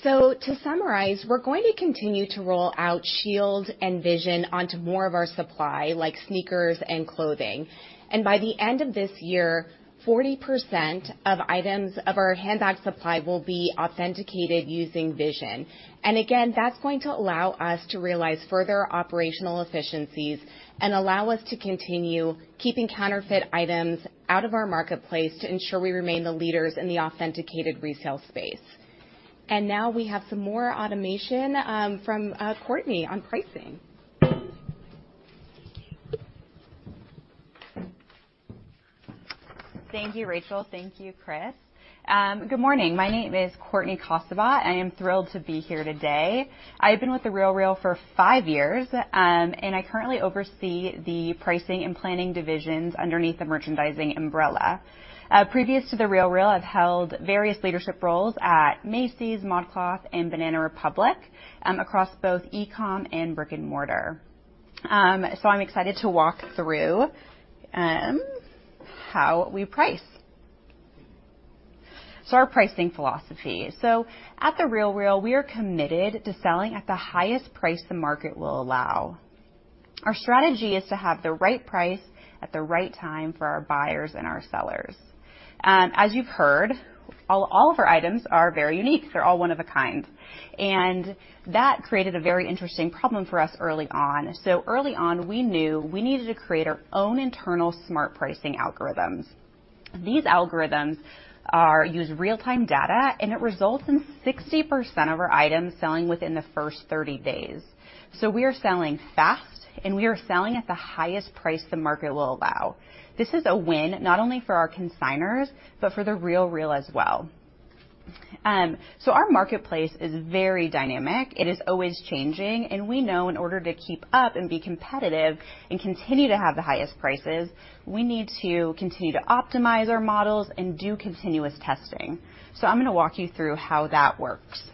To summarize, we're going to continue to roll out Shield and Vision onto more of our supply, like sneakers and clothing. By the end of this year, 40% of items of our handbag supply will be authenticated using Vision. Again, that's going to allow us to realize further operational efficiencies and allow us to continue keeping counterfeit items out of our marketplace to ensure we remain the leaders in the authenticated resale space. Now we have some more automation from Courtney on pricing. Thank you, Rachel. Thank you, Chris. Good morning. My name is Courtney Casabat. I am thrilled to be here today. I've been with The RealReal for five years, and I currently oversee the pricing and planning divisions underneath the merchandising umbrella. Previous to The RealReal, I've held various leadership roles at Macy's, ModCloth, and Banana Republic, across both e-com and brick-and-mortar. I'm excited to walk through how we price. Our pricing philosophy. At The RealReal, we are committed to selling at the highest price the market will allow. Our strategy is to have the right price at the right time for our buyers and our sellers. As you've heard, all of our items are very unique. They're all one of a kind. That created a very interesting problem for us early on. Early on, we knew we needed to create our own internal smart pricing algorithms. These algorithms use real-time data, and it results in 60% of our items selling within the first 30 days. We are selling fast, and we are selling at the highest price the market will allow. This is a win not only for our consignors, but for The RealReal as well. Our marketplace is very dynamic. It is always changing, and we know in order to keep up and be competitive and continue to have the highest prices, we need to continue to optimize our models and do continuous testing. I'm gonna walk you through how that works.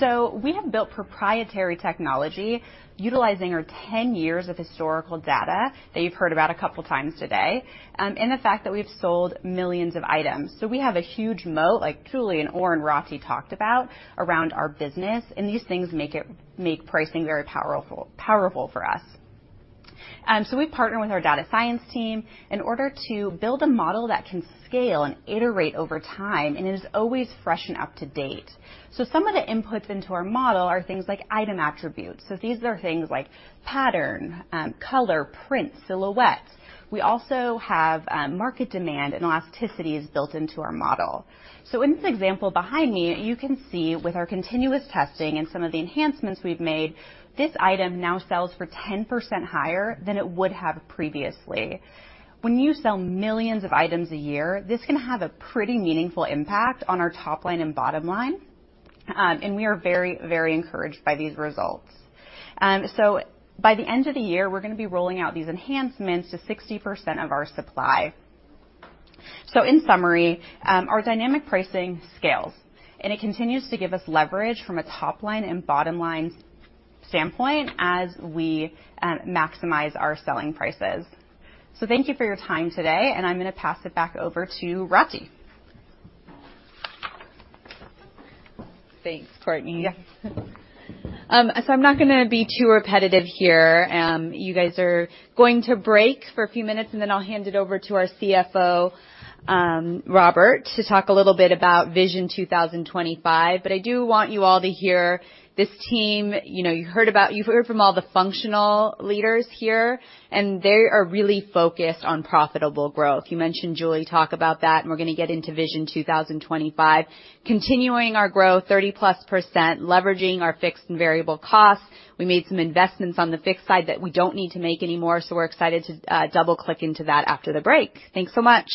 We have built proprietary technology utilizing our 10 years of historical data that you've heard about a couple times today, and the fact that we've sold millions of items. We have a huge moat, like Julie, Orr, and Rati talked about around our business, and these things make pricing very powerful for us. We partner with our data science team in order to build a model that can scale and iterate over time, and it is always fresh and up to date. Some of the inputs into our model are things like item attributes. These are things like pattern, color, print, silhouettes. We also have market demand and elasticities built into our model. In this example behind me, you can see with our continuous testing and some of the enhancements we've made, this item now sells for 10% higher than it would have previously. When you sell millions of items a year, this can have a pretty meaningful impact on our top line and bottom line. We are very, very encouraged by these results. By the end of the year, we're gonna be rolling out these enhancements to 60% of our supply. In summary, our dynamic pricing scales, and it continues to give us leverage from a top line and bottom line standpoint as we maximize our selling prices. Thank you for your time today, and I'm gonna pass it back over to Rati. Thanks, Courtney. Yes. I'm not gonna be too repetitive here. You guys are going to break for a few minutes, and then I'll hand it over to our CFO, Robert, to talk a little bit about Vision 2025. I do want you all to hear this team. You know, you've heard from all the functional leaders here, and they are really focused on profitable growth. You heard Julie talk about that, and we're gonna get into Vision 2025. Continuing our growth, 30%+, leveraging our fixed and variable costs. We made some investments on the fixed side that we don't need to make anymore, so we're excited to double-click into that after the break. Thanks so much.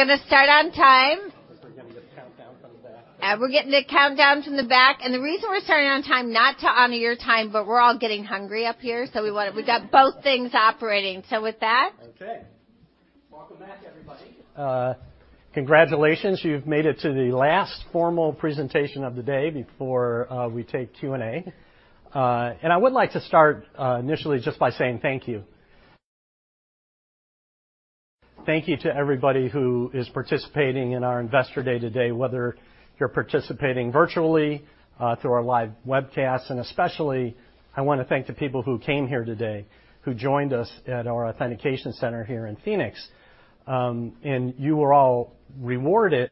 How long is the break? 15 minutes. We're gonna start on time. We're getting the countdown from the back. We're getting the countdown from the back. The reason we're starting on time, not to honor your time, but we're all getting hungry up here, so we got both things operating. With that. Okay. Welcome back, everybody. Congratulations, you've made it to the last formal presentation of the day before we take Q&A. I would like to start initially just by saying thank you. Thank you to everybody who is participating in our investor day today, whether you're participating virtually through our live webcast, and especially I want to thank the people who came here today, who joined us at our authentication center here in Phoenix. You were all rewarded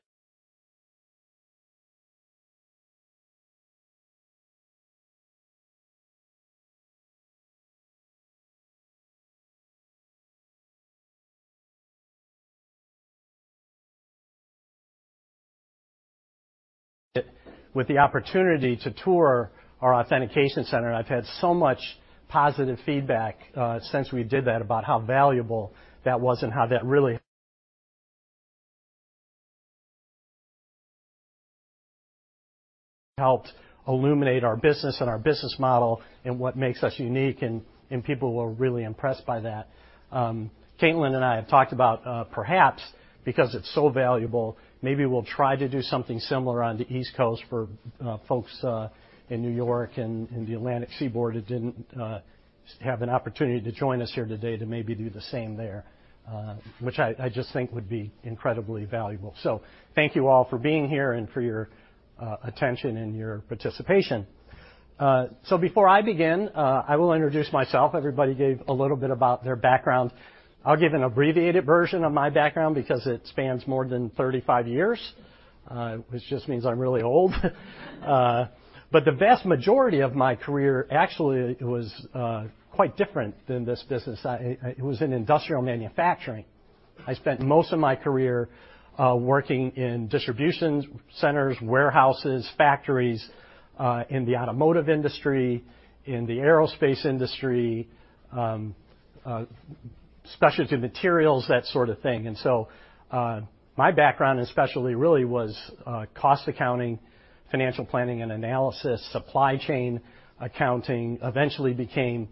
with the opportunity to tour our authentication center. I've had so much positive feedback since we did that about how valuable that was and how that really helped illuminate our business and our business model and what makes us unique, and people were really impressed by that. Caitlin and I have talked about, perhaps because it's so valuable, maybe we'll try to do something similar on the East Coast for folks in New York and the Atlantic seaboard who didn't have an opportunity to join us here today to maybe do the same there, which I just think would be incredibly valuable. So thank you all for being here and for your attention and your participation. Before I begin, I will introduce myself. Everybody gave a little bit about their background. I'll give an abbreviated version of my background because it spans more than 35 years, which just means I'm really old. The vast majority of my career actually was quite different than this business. It was in industrial manufacturing. I spent most of my career working in distribution centers, warehouses, factories, in the automotive industry, in the aerospace industry, specialty materials, that sort of thing. My background especially really was cost accounting, financial planning and analysis, supply chain accounting, eventually became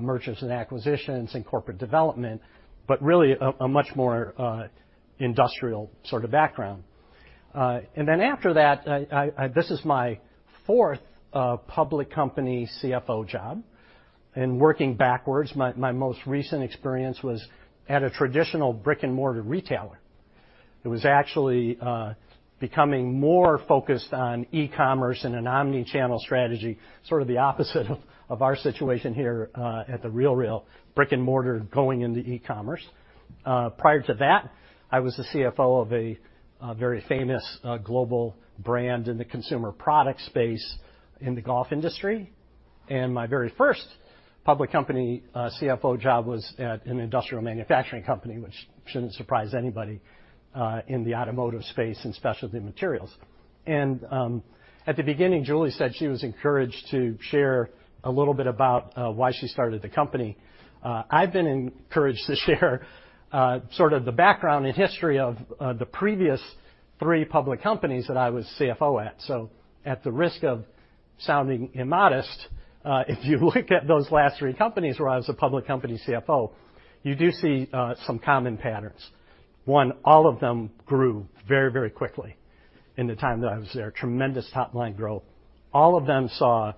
mergers and acquisitions and corporate development, but really a much more industrial sort of background. After that, this is my fourth public company CFO job. Working backwards, my most recent experience was at a traditional brick-and-mortar retailer. It was actually becoming more focused on e-commerce and an omni-channel strategy, sort of the opposite of our situation here at The RealReal, brick and mortar going into e-commerce. Prior to that, I was the CFO of a very famous global brand in the consumer product space in the golf industry. My very first public company CFO job was at an industrial manufacturing company, which shouldn't surprise anybody in the automotive space and specialty materials. At the beginning, Julie said she was encouraged to share a little bit about why she started the company. I've been encouraged to share sort of the background and history of the previous three public companies that I was CFO at. At the risk of sounding immodest, if you look at those last three companies where I was a public company CFO, you do see some common patterns. One, all of them grew very, very quickly in the time that I was there. Tremendous top-line growth. All of them saw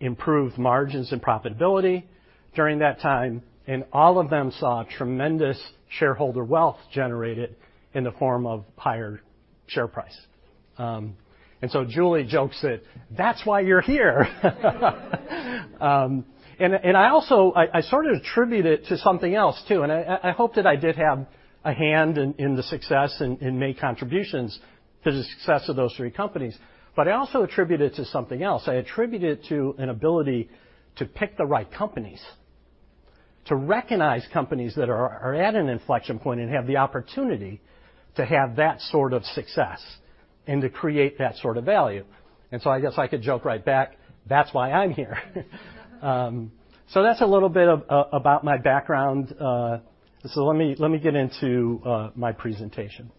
improved margins and profitability during that time, and all of them saw tremendous shareholder wealth generated in the form of higher share price. Julie jokes that that's why you're here. I also, I sort of attribute it to something else too, and I hope that I did have a hand in the success and make contributions to the success of those three companies. I also attribute it to something else. I attribute it to an ability to pick the right companies, to recognize companies that are at an inflection point and have the opportunity to have that sort of success and to create that sort of value. I guess I could joke right back, "That's why I'm here." That's a little bit about my background. Let me get into my presentation.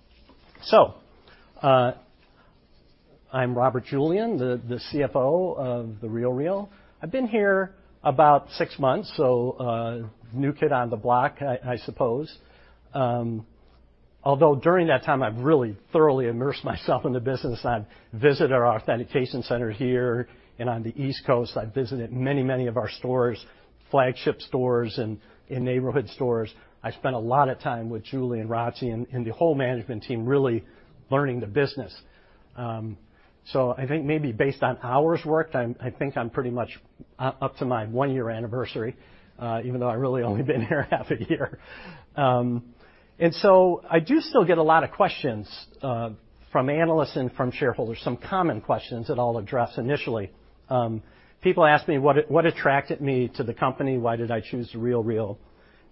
I'm Robert Julian, the CFO of The RealReal. I've been here about six months, so new kid on the block, I suppose. Although during that time, I've really thoroughly immersed myself in the business. I've visited our authentication center here and on the East Coast. I've visited many of our stores, flagship stores and neighborhood stores. I spent a lot of time with Julie and Rati and the whole management team really learning the business. I think maybe based on hours worked, I think I'm pretty much up to my one-year anniversary, even though I've really only been here half a year. I do still get a lot of questions from analysts and from shareholders, some common questions that I'll address initially. People ask me what attracted me to the company, why did I choose The RealReal.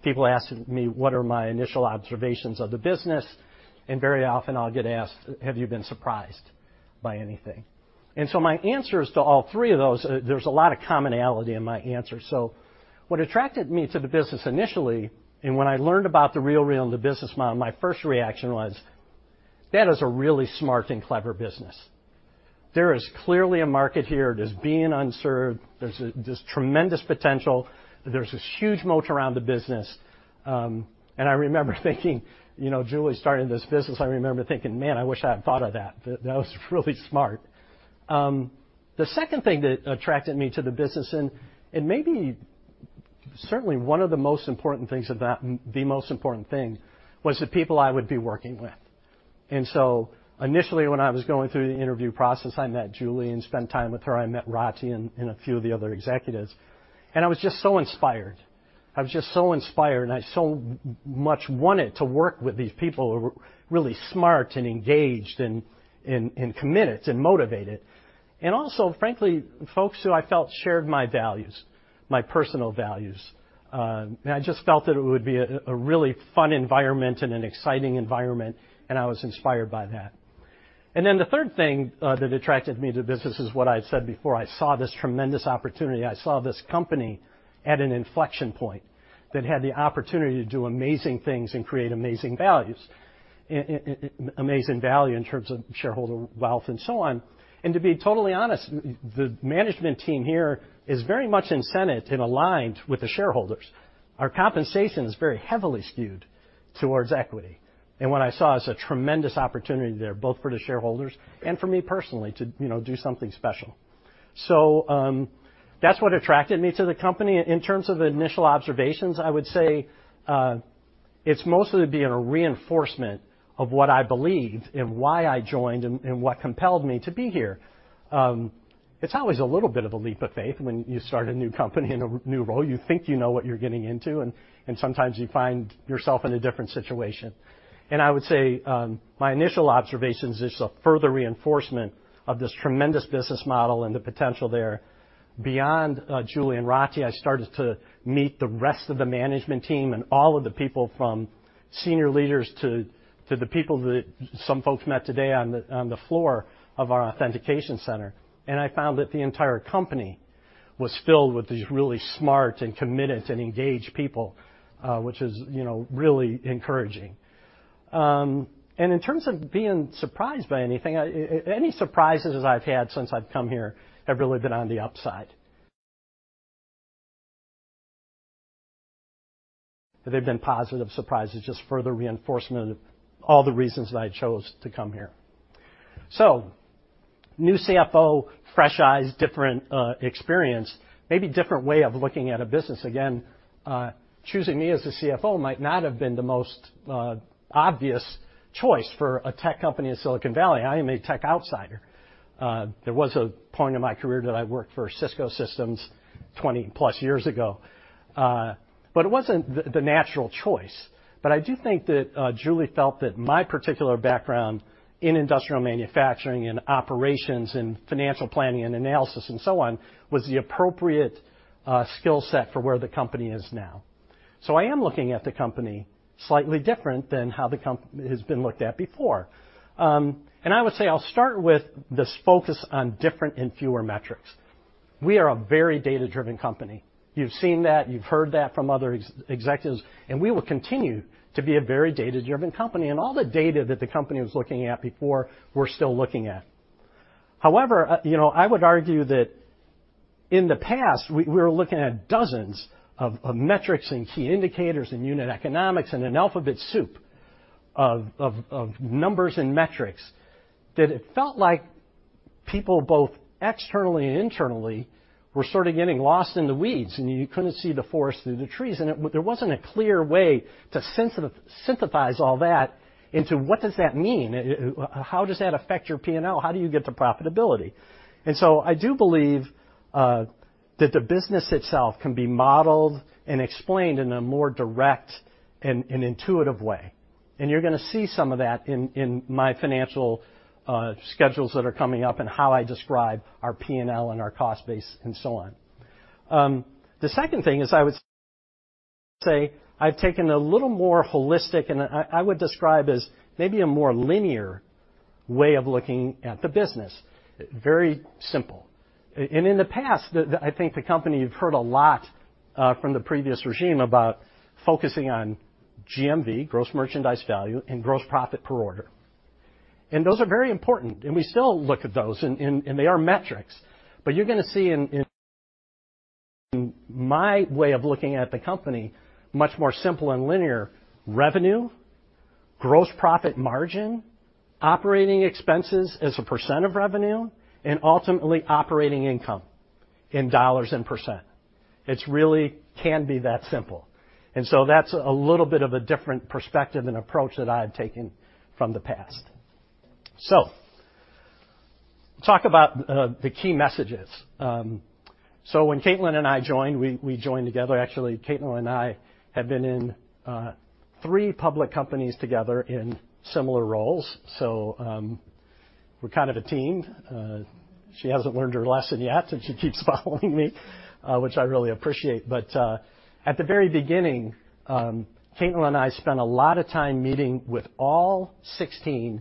People ask me what are my initial observations of the business. Very often, I'll get asked, "Have you been surprised by anything?" My answers to all three of those, there's a lot of commonality in my answers. What attracted me to the business initially, and when I learned about The RealReal and the business model, my first reaction was, "That is a really smart and clever business." There is clearly a market here that's being unserved. There's tremendous potential. There's this huge moat around the business. I remember thinking you know, Julie starting this business, I remember thinking, "Man, I wish I had thought of that." That was really smart. The second thing that attracted me to the business, and maybe certainly one of the most important things about the most important thing was the people I would be working with. Initially, when I was going through the interview process, I met Julie and spent time with her. I met Rati and a few of the other executives, and I was just so inspired, and I so much wanted to work with these people who were really smart and engaged and committed and motivated. Also, frankly, folks who I felt shared my values, my personal values. I just felt that it would be a really fun environment and an exciting environment, and I was inspired by that. Then the third thing that attracted me to the business is what I said before. I saw this tremendous opportunity. I saw this company at an inflection point that had the opportunity to do amazing things and create amazing values. Amazing value in terms of shareholder wealth and so on. To be totally honest, the management team here is very much incented and aligned with the shareholders. Our compensation is very heavily skewed towards equity. What I saw is a tremendous opportunity there, both for the shareholders and for me personally to, you know, do something special. That's what attracted me to the company. In terms of initial observations, I would say, it's mostly been a reinforcement of what I believed and why I joined and what compelled me to be here. It's always a little bit of a leap of faith when you start a new company in a new role. You think you know what you're getting into, and sometimes you find yourself in a different situation. I would say my initial observations is a further reinforcement of this tremendous business model and the potential there. Beyond Julie and Rati, I started to meet the rest of the management team and all of the people from senior leaders to the people that some folks met today on the floor of our authentication center. I found that the entire company was filled with these really smart and committed and engaged people, which is, you know, really encouraging. In terms of being surprised by anything, any surprises I've had since I've come here have really been on the upside. They've been positive surprises, just further reinforcement of all the reasons that I chose to come here. New CFO, fresh eyes, different experience, maybe different way of looking at a business. Again, choosing me as the CFO might not have been the most obvious choice for a tech company in Silicon Valley. I am a tech outsider. There was a point in my career that I worked for Cisco Systems 20+ years ago, but it wasn't the natural choice. I do think that Julie felt that my particular background in industrial manufacturing and operations and financial planning and analysis and so on was the appropriate skill set for where the company is now. I am looking at the company slightly different than how the company has been looked at before. I would say I'll start with this focus on different and fewer metrics. We are a very data-driven company. You've seen that. You've heard that from other executives, and we will continue to be a very data-driven company. All the data that the company was looking at before, we're still looking at. However, you know, I would argue that in the past, we were looking at dozens of metrics and key indicators and unit economics and an alphabet soup of numbers and metrics that it felt like people both externally and internally were sort of getting lost in the weeds, and you couldn't see the forest through the trees. There wasn't a clear way to synthesize all that into what does that mean? How does that affect your P&L? How do you get to profitability? I do believe that the business itself can be modeled and explained in a more direct and intuitive way. You're gonna see some of that in my financial schedules that are coming up and how I describe our P&L and our cost base and so on. The second thing is I would say I've taken a little more holistic and I would describe as maybe a more linear way of looking at the business. Very simple. In the past, I think the company, you've heard a lot from the previous regime about focusing on GMV, gross merchandise value, and gross profit per order. Those are very important, and we still look at those and they are metrics. You're gonna see in my way of looking at the company much more simple and linear, revenue, gross profit margin, operating expenses as a % of revenue, and ultimately operating income in dollars and %. It really can be that simple. That's a little bit of a different perspective and approach that I've taken from the past. Talk about the key messages. When Caitlin and I joined, we joined together. Actually, Caitlin and I have been in three public companies together in similar roles. We're kind of a team. She hasn't learned her lesson yet, and she keeps following me, which I really appreciate. At the very beginning, Caitlin and I spent a lot of time meeting with all 16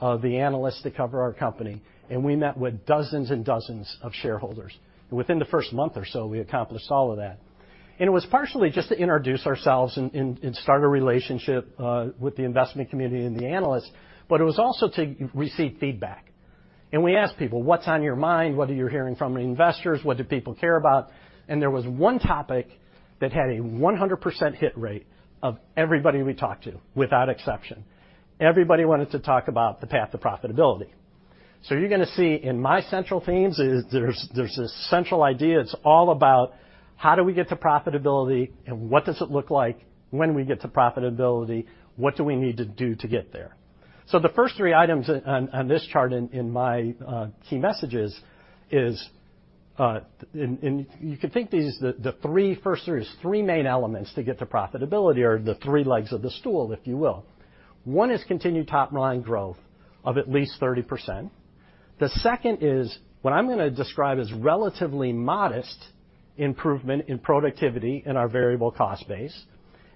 of the analysts that cover our company, and we met with dozens and dozens of shareholders. Within the first month or so, we accomplished all of that. It was partially just to introduce ourselves and start a relationship with the investment community and the analysts, but it was also to receive feedback. We asked people, "What's on your mind? What are you hearing from investors? What do people care about?" There was one topic that had a 100% hit rate of everybody we talked to without exception. Everybody wanted to talk about the path to profitability. You're gonna see in my central themes is there's this central idea. It's all about how do we get to profitability and what does it look like when we get to profitability? What do we need to do to get there? The first three items on this chart in my key messages is, and you could think these the three first series three main elements to get to profitability or the three legs of the stool, if you will. One is continued top-line growth of at least 30%. The second is what I'm gonna describe as relatively modest improvement in productivity in our variable cost base.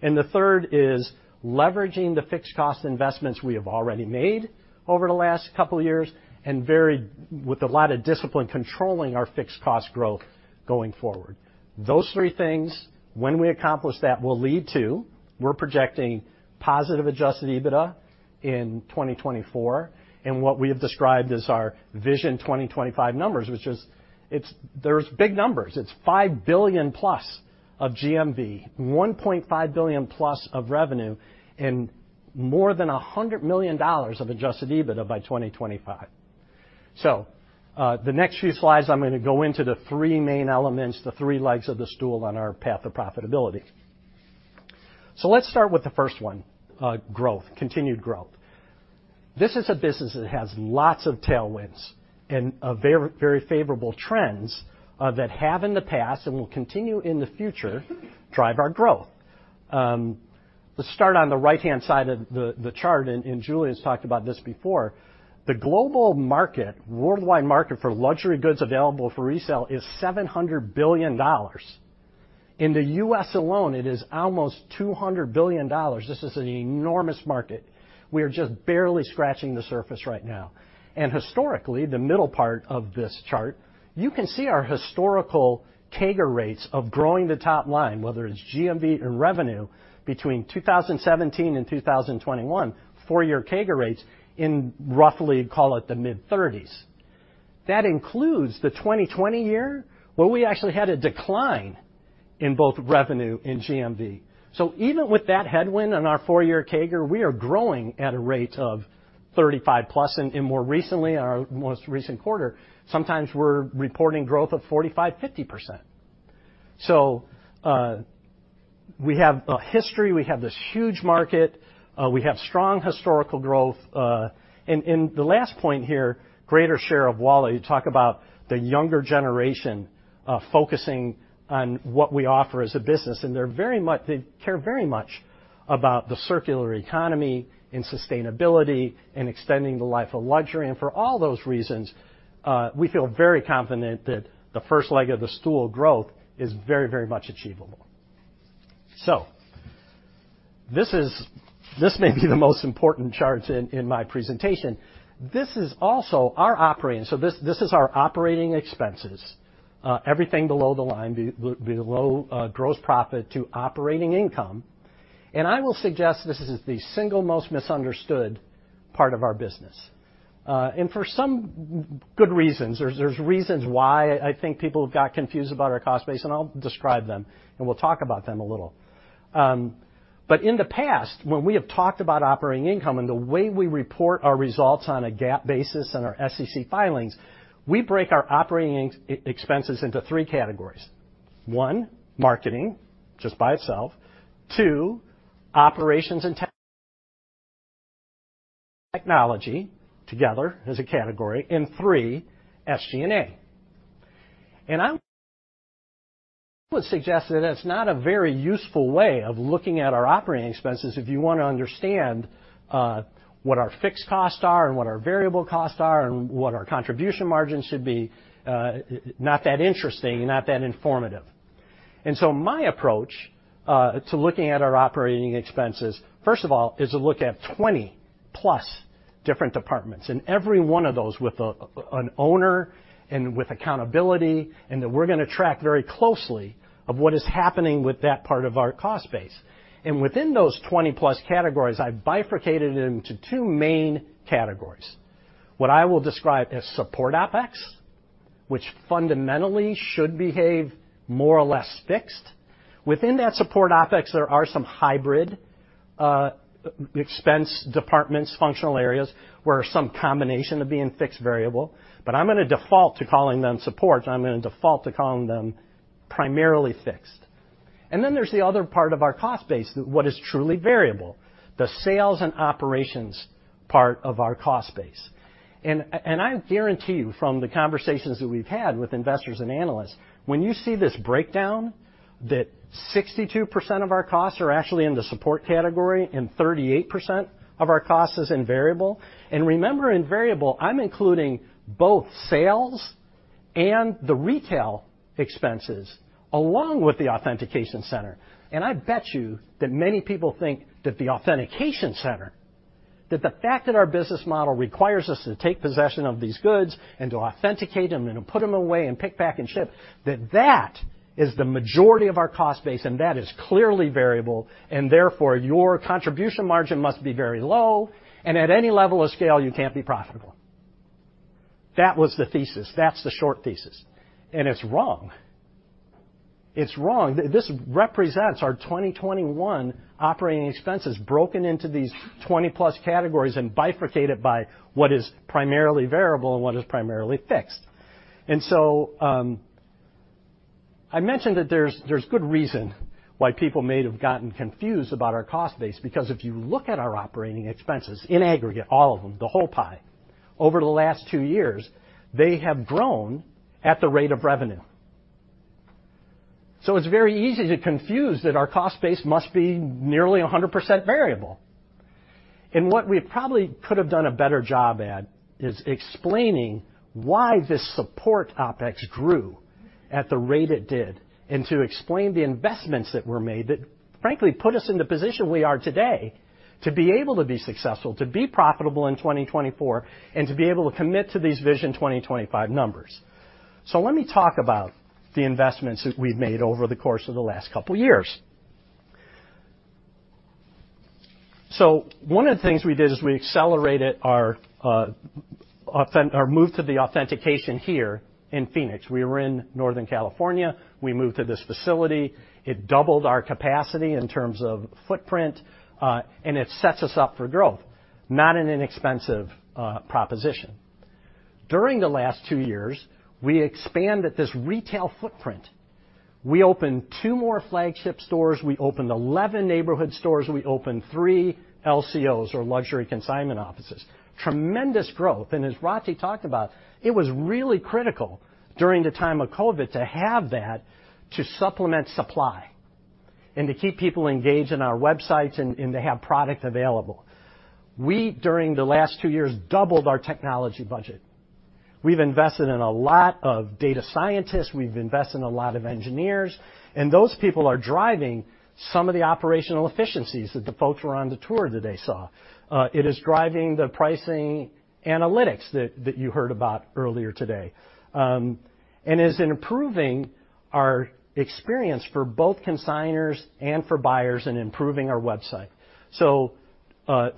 The third is leveraging the fixed cost investments we have already made over the last couple of years with a lot of discipline, controlling our fixed cost growth going forward. Those three things, when we accomplish that, will lead to. We're projecting positive adjusted EBITDA in 2024. What we have described as our Vision 2025 numbers, which is. It's big numbers. It's $5 billion+ of GMV, $1.5 billion+ of revenue, and more than $100 million of adjusted EBITDA by 2025. The next few slides, I'm gonna go into the three main elements, the three legs of the stool on our path to profitability. Let's start with the first one, growth, continued growth. This is a business that has lots of tailwinds and very, very favorable trends that have in the past and will continue in the future drive our growth. Let's start on the right-hand side of the chart, and Julie's talked about this before. The global market, worldwide market for luxury goods available for resale is $700 billion. In the U.S. alone, it is almost $200 billion. This is an enormous market. We are just barely scratching the surface right now. Historically, the middle part of this chart, you can see our historical CAGR rates of growing the top line, whether it's GMV or revenue, between 2017 and 2021, four-year CAGR rates in roughly call it the mid-thirties. That includes the 2020 year, where we actually had a decline in both revenue and GMV. Even with that headwind on our four-year CAGR, we are growing at a rate of 35+. More recently, in our most recent quarter, sometimes we're reporting growth of 45%, 50%. We have a history, we have this huge market, we have strong historical growth. The last point here, greater share of wallet. You talk about the younger generation, focusing on what we offer as a business, and they're very much they care very much about the circular economy and sustainability and extending the life of luxury. For all those reasons, we feel very confident that the first leg of the stool growth is very much achievable. This may be the most important chart in my presentation. This is also our operating. This is our operating expenses, everything below the line, below gross profit to operating income. I will suggest this is the single most misunderstood part of our business. For some good reasons. There are reasons why I think people got confused about our cost base, and I'll describe them, and we'll talk about them a little. In the past, when we have talked about operating income and the way we report our results on a GAAP basis and our SEC filings, we break our operating expenses into three categories. One, marketing, just by itself. Two, operations and technology together as a category. Three, SG&A. I would suggest that it's not a very useful way of looking at our operating expenses if you want to understand what our fixed costs are and what our variable costs are and what our contribution margins should be. Not that interesting, not that informative. My approach to looking at our operating expenses, first of all, is to look at 20-plus different departments, and every one of those with an owner and with accountability, and that we're gonna track very closely what's happening with that part of our cost base. Within those 20-plus categories, I bifurcated into two main categories. What I will describe as support OpEx, which fundamentally should behave more or less fixed. Within that support OpEx, there are some hybrid expense departments, functional areas, where some combination of being fixed and variable. I'm gonna default to calling them support. I'm gonna default to calling them primarily fixed. Then there's the other part of our cost base, what is truly variable, the sales and operations part of our cost base. I guarantee you from the conversations that we've had with investors and analysts, when you see this breakdown, that 62% of our costs are actually in the support category and 38% of our cost is in variable. Remember, in variable, I'm including both sales and the retail expenses along with the authentication center. I bet you that many people think that the authentication center, that the fact that our business model requires us to take possession of these goods and to authenticate them and to put them away and pick back and ship, that that is the majority of our cost base and that is clearly variable, and therefore, your contribution margin must be very low, and at any level of scale, you can't be profitable. That was the thesis. That's the short thesis. It's wrong. It's wrong. This represents our 2021 operating expenses broken into these 20-plus categories and bifurcated by what is primarily variable and what is primarily fixed. I mentioned that there's good reason why people may have gotten confused about our cost base, because if you look at our operating expenses in aggregate, all of them, the whole pie, over the last two years, they have grown at the rate of revenue. It's very easy to confuse that our cost base must be nearly 100% variable. What we probably could have done a better job at is explaining why this support OpEx grew at the rate it did and to explain the investments that were made that, frankly, put us in the position we are today to be able to be successful, to be profitable in 2024 and to be able to commit to these Vision 2025 numbers. Let me talk about the investments that we've made over the course of the last couple years. One of the things we did is we moved to the authentication here in Phoenix. We were in Northern California. We moved to this facility. It doubled our capacity in terms of footprint, and it sets us up for growth. Not an inexpensive proposition. During the last two years, we expanded this retail footprint. We opened two more flagship stores. We opened 11 neighborhood stores. We opened three LCOs or luxury consignment offices. Tremendous growth. As Rati talked about, it was really critical during the time of COVID to have that to supplement supply and to keep people engaged in our websites and to have product available. We, during the last two years, doubled our technology budget. We've invested in a lot of data scientists, we've invested in a lot of engineers, and those people are driving some of the operational efficiencies that the folks who were on the tour today saw. It is driving the pricing analytics that you heard about earlier today and is improving our experience for both consignors and for buyers and improving our website.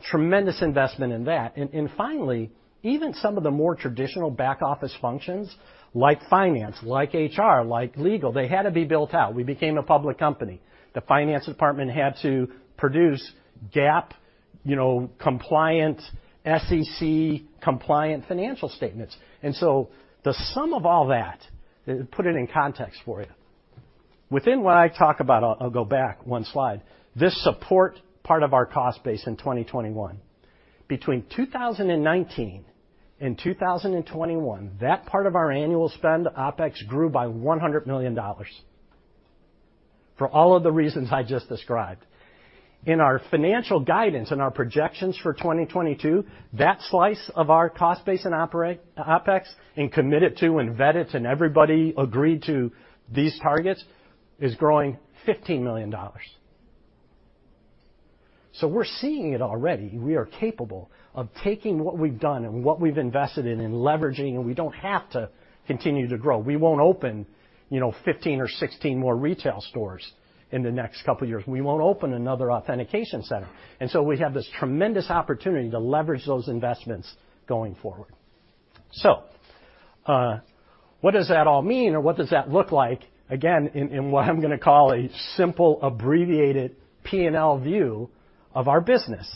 Tremendous investment in that. Finally, even some of the more traditional back-office functions, like finance, like HR, like legal, they had to be built out. We became a public company. The finance department had to produce GAAP, you know, compliant, SEC-compliant financial statements. The sum of all that, put it in context for you. Within what I talk about, I'll go back one slide, this support part of our cost base in 2021. Between 2019 and 2021, that part of our annual spend, OpEx, grew by $100 million for all of the reasons I just described. In our financial guidance and our projections for 2022, that slice of our cost base and OpEx and committed to and vetted and everybody agreed to these targets, is growing $15 million. We're seeing it already. We are capable of taking what we've done and what we've invested in and leveraging, and we don't have to continue to grow. We won't open, you know, 15 or 16 more retail stores in the next couple of years. We won't open another authentication center. We have this tremendous opportunity to leverage those investments going forward. What does that all mean or what does that look like, again, in what I'm gonna call a simple abbreviated P&L view of our business?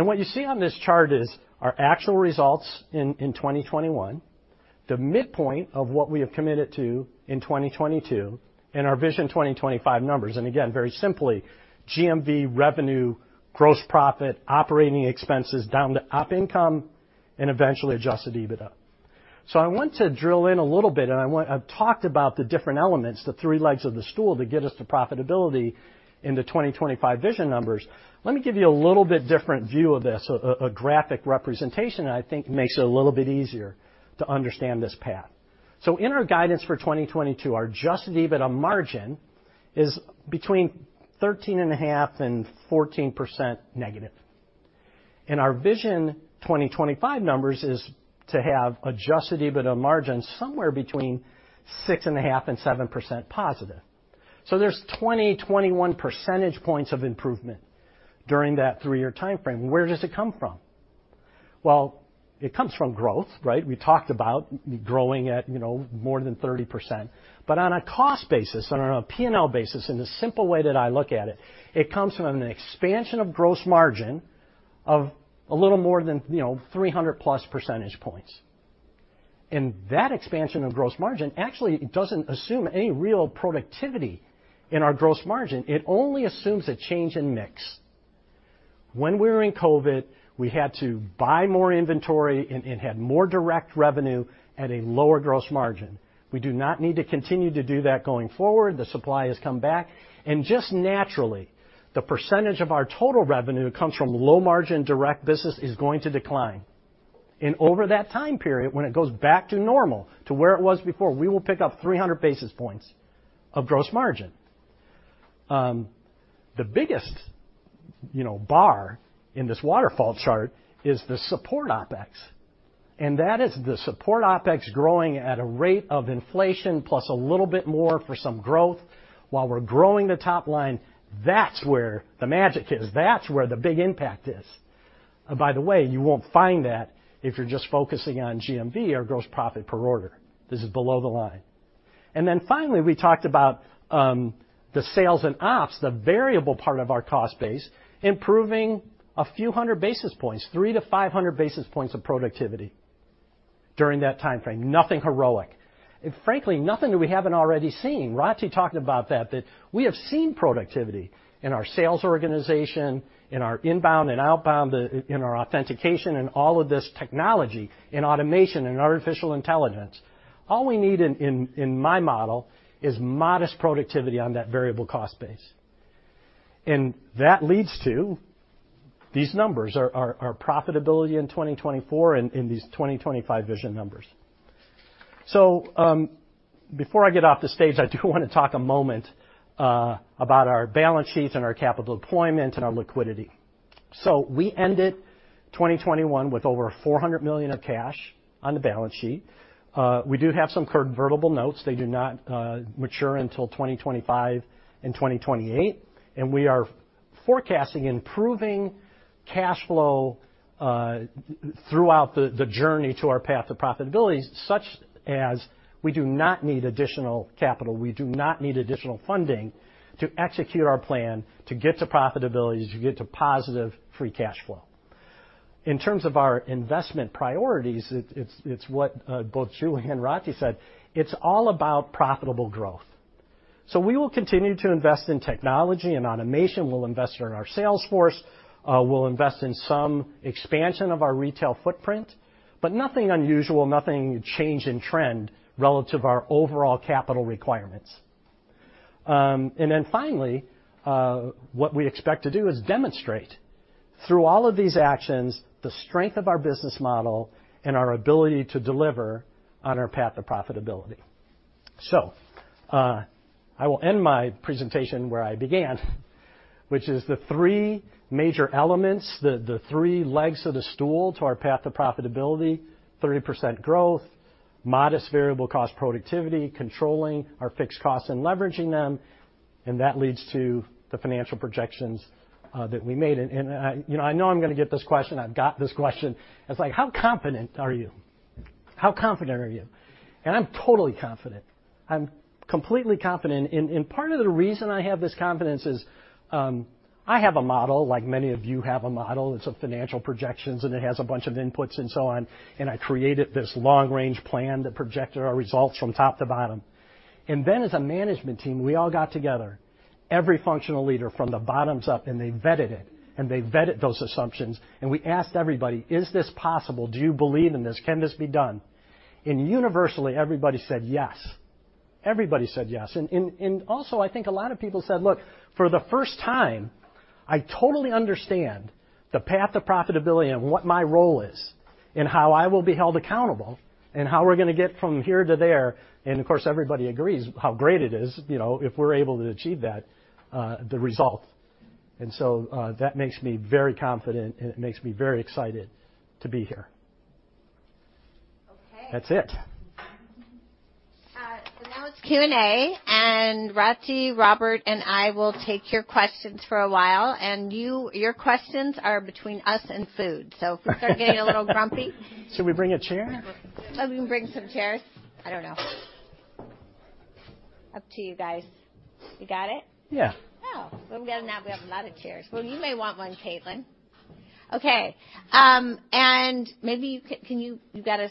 What you see on this chart is our actual results in 2021, the midpoint of what we have committed to in 2022, and our Vision 2025 numbers. Again, very simply, GMV revenue, gross profit, operating expenses down to op income and eventually adjusted EBITDA. I want to drill in a little bit, I've talked about the different elements, the three legs of the stool that get us to profitability in the 2025 Vision numbers. Let me give you a little bit different view of this, a graphic representation that I think makes it a little bit easier to understand this path. In our guidance for 2022, our adjusted EBITDA margin is between 13.5% and 14% negative. Our Vision 2025 numbers is to have adjusted EBITDA margin somewhere between 6.5% and 7% positive. There's 21 percentage points of improvement during that three-year timeframe. Where does it come from? Well, it comes from growth, right? We talked about growing at, you know, more than 30%. On a cost basis, on a P&L basis, in the simple way that I look at it comes from an expansion of gross margin of a little more than, you know, 300+ percentage points. That expansion of gross margin actually doesn't assume any real productivity in our gross margin. It only assumes a change in mix. When we were in COVID, we had to buy more inventory and had more direct revenue at a lower gross margin. We do not need to continue to do that going forward. The supply has come back, and just naturally, the percentage of our total revenue that comes from low-margin direct business is going to decline. Over that time period, when it goes back to normal, to where it was before, we will pick up 300 basis points of gross margin. The biggest, you know, bar in this waterfall chart is the support OpEx, and that is the support OpEx growing at a rate of inflation plus a little bit more for some growth while we're growing the top line. That's where the magic is. That's where the big impact is. By the way, you won't find that if you're just focusing on GMV or gross profit per order. This is below the line. Finally, we talked about the sales and ops, the variable part of our cost base, improving a few hundred basis points, 300-500 basis points of productivity during that timeframe. Nothing heroic. Frankly, nothing that we haven't already seen. Rati talked about that we have seen productivity in our sales organization, in our inbound and outbound, in our authentication and all of this technology in automation and artificial intelligence. All we need in my model is modest productivity on that variable cost base. That leads to these numbers, our profitability in 2024 and in these 2025 Vision numbers. Before I get off the stage, I do want to talk a moment about our balance sheets and our capital deployment and our liquidity. We ended 2021 with over $400 million of cash on the balance sheet. We do have some convertible notes. They do not mature until 2025 and 2028, and we are forecasting improving cash flow throughout the journey to our path to profitability, so that we do not need additional capital. We do not need additional funding to execute our plan to get to profitability, to get to positive free cash flow. In terms of our investment priorities, it's what both Julie and Rati said. It's all about profitable growth. We will continue to invest in technology and automation. We'll invest in our sales force. We'll invest in some expansion of our retail footprint, but nothing unusual, no change in trend relative to our overall capital requirements. Finally, what we expect to do is demonstrate through all of these actions the strength of our business model and our ability to deliver on our path to profitability. I will end my presentation where I began, which is the three major elements, the three legs of the stool to our path to profitability, 30% growth, modest variable cost productivity, controlling our fixed costs and leveraging them, and that leads to the financial projections that we made. You know, I know I'm gonna get this question. I've got this question. It's like, How confident are you? I'm totally confident. I'm completely confident. Part of the reason I have this confidence is, I have a model like many of you have a model. It's of financial projections, and it has a bunch of inputs and so on, and I created this long-range plan that projected our results from top to bottom. As a management team, we all got together, every functional leader from the bottom up, and they vetted it, and they vetted those assumptions. We asked everybody, "Is this possible? Do you believe in this? Can this be done?" Universally, everybody said yes. Everybody said yes. Also, I think a lot of people said, "Look, for the first time, I totally understand the path to profitability and what my role is and how I will be held accountable and how we're gonna get from here to there." Of course, everybody agrees how great it is, you know, if we're able to achieve that, the result. That makes me very confident, and it makes me very excited to be here. Okay. That's it. now it's Q&A, and Rati, Robert, and I will take your questions for a while. You, your questions are between us and food. If we start getting a little grumpy. Should we bring a chair? Oh, we can bring some chairs. I don't know. Up to you guys. You got it? Yeah. Oh, well, now we have a lot of chairs. Well, you may want one, Caitlin. Okay. Maybe you got a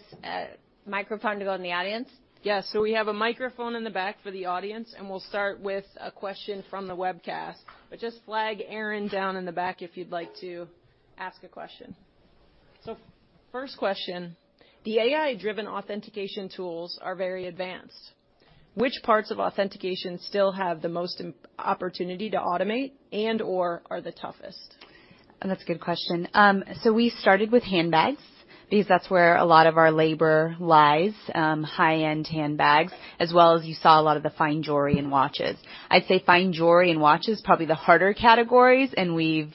microphone to go in the audience? Yes. We have a microphone in the back for the audience, and we'll start with a question from the webcast. Just flag Aaron down in the back if you'd like to ask a question. First question: The AI-driven authentication tools are very advanced. Which parts of authentication still have the most opportunity to automate and/or are the toughest? That's a good question. We started with handbags because that's where a lot of our labor lies, high-end handbags, as well as you saw a lot of the fine jewelry and watches. I'd say fine jewelry and watches, probably the harder categories, and we've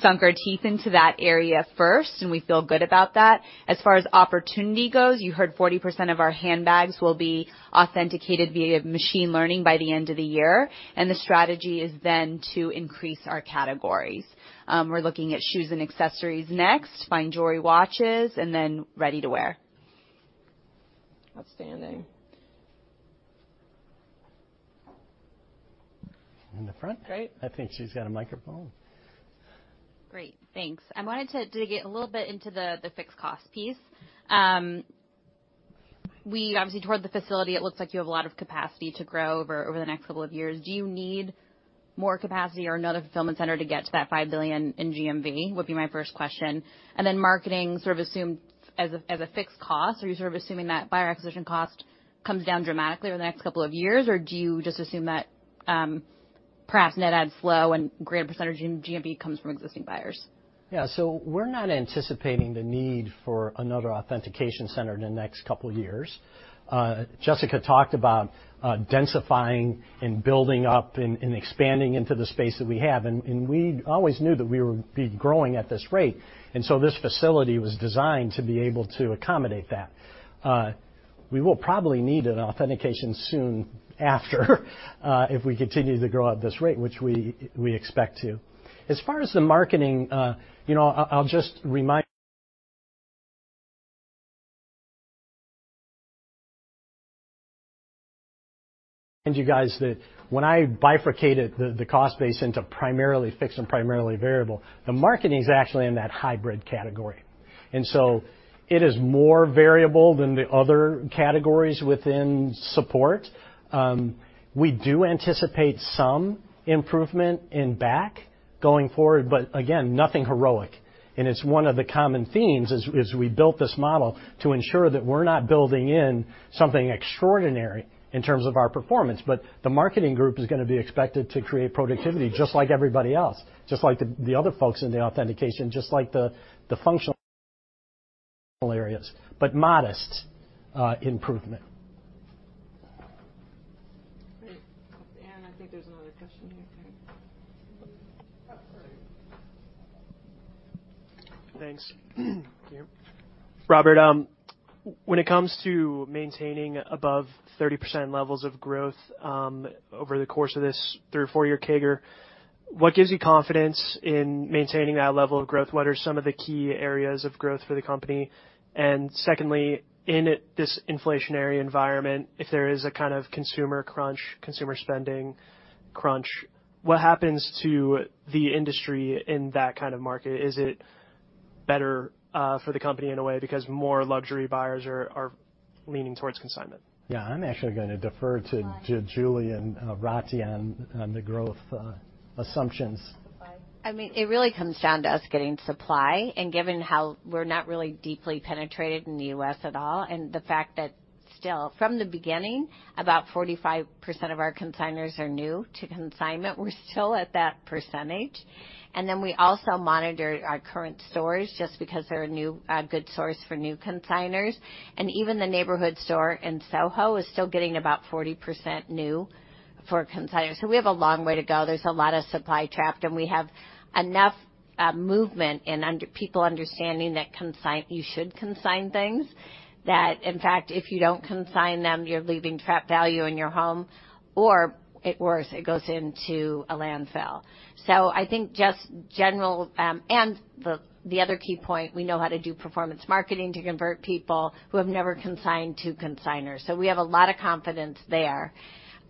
sunk our teeth into that area first, and we feel good about that. As far as opportunity goes, you heard 40% of our handbags will be authenticated via machine learning by the end of the year, and the strategy is then to increase our categories. We're looking at shoes and accessories next, fine jewelry, watches, and then ready-to-wear. Outstanding. In the front. Great. I think she's got a microphone. Great. Thanks. I wanted to dig in a little bit into the fixed cost piece. It looks like you have a lot of capacity to grow over the next couple of years. Do you need more capacity or another fulfillment center to get to that $5 billion in GMV? That would be my first question. Marketing sort of assumed as a fixed cost. Are you sort of assuming that buyer acquisition cost comes down dramatically over the next couple of years, or do you just assume that perhaps net add flow and greater percentage in GMV comes from existing buyers? Yeah. We're not anticipating the need for another authentication center in the next couple of years. Jessica talked about densifying and building up and expanding into the space that we have. We always knew that we would be growing at this rate, and so this facility was designed to be able to accommodate that. We will probably need an authentication soon after if we continue to grow at this rate, which we expect to. As far as the marketing, you know, I'll just remind you guys that when I bifurcated the cost base into primarily fixed and primarily variable, the marketing is actually in that hybrid category. It is more variable than the other categories within support. We do anticipate some improvement in BAC going forward, but again, nothing heroic. It's one of the common themes. We built this model to ensure that we're not building in something extraordinary in terms of our performance. The marketing group is gonna be expected to create productivity just like everybody else, just like the other folks in the authentication, just like the functional areas, but modest improvement. Great. I think there's another question here. Thanks. Can you hear me? Robert, when it comes to maintaining above 30% levels of growth, over the course of this 3- or 4-year CAGR, what gives you confidence in maintaining that level of growth? What are some of the key areas of growth for the company? Secondly, in this inflationary environment, if there is a kind of consumer crunch, consumer spending crunch, what happens to the industry in that kind of market? Is it better for the company in a way because more luxury buyers are leaning towards consignment? Yeah. I'm actually gonna defer to Julie and Rati on the growth assumptions. I mean, it really comes down to us getting supply, and given how we're not really deeply penetrated in the U.S. at all, and the fact that still, from the beginning, about 45% of our consignors are new to consignment, we're still at that percentage. Then we also monitor our current stores just because they're a good source for new consignors. Even the neighborhood store in SoHo is still getting about 40% new for consignors. We have a long way to go. There's a lot of supply trapped, and we have enough movement and people understanding that you should consign things that, in fact, if you don't consign them, you're leaving trapped value in your home, or worse, it goes into a landfill. I think just general, and the other key point, we know how to do performance marketing to convert people who have never consigned to consignors. We have a lot of confidence there.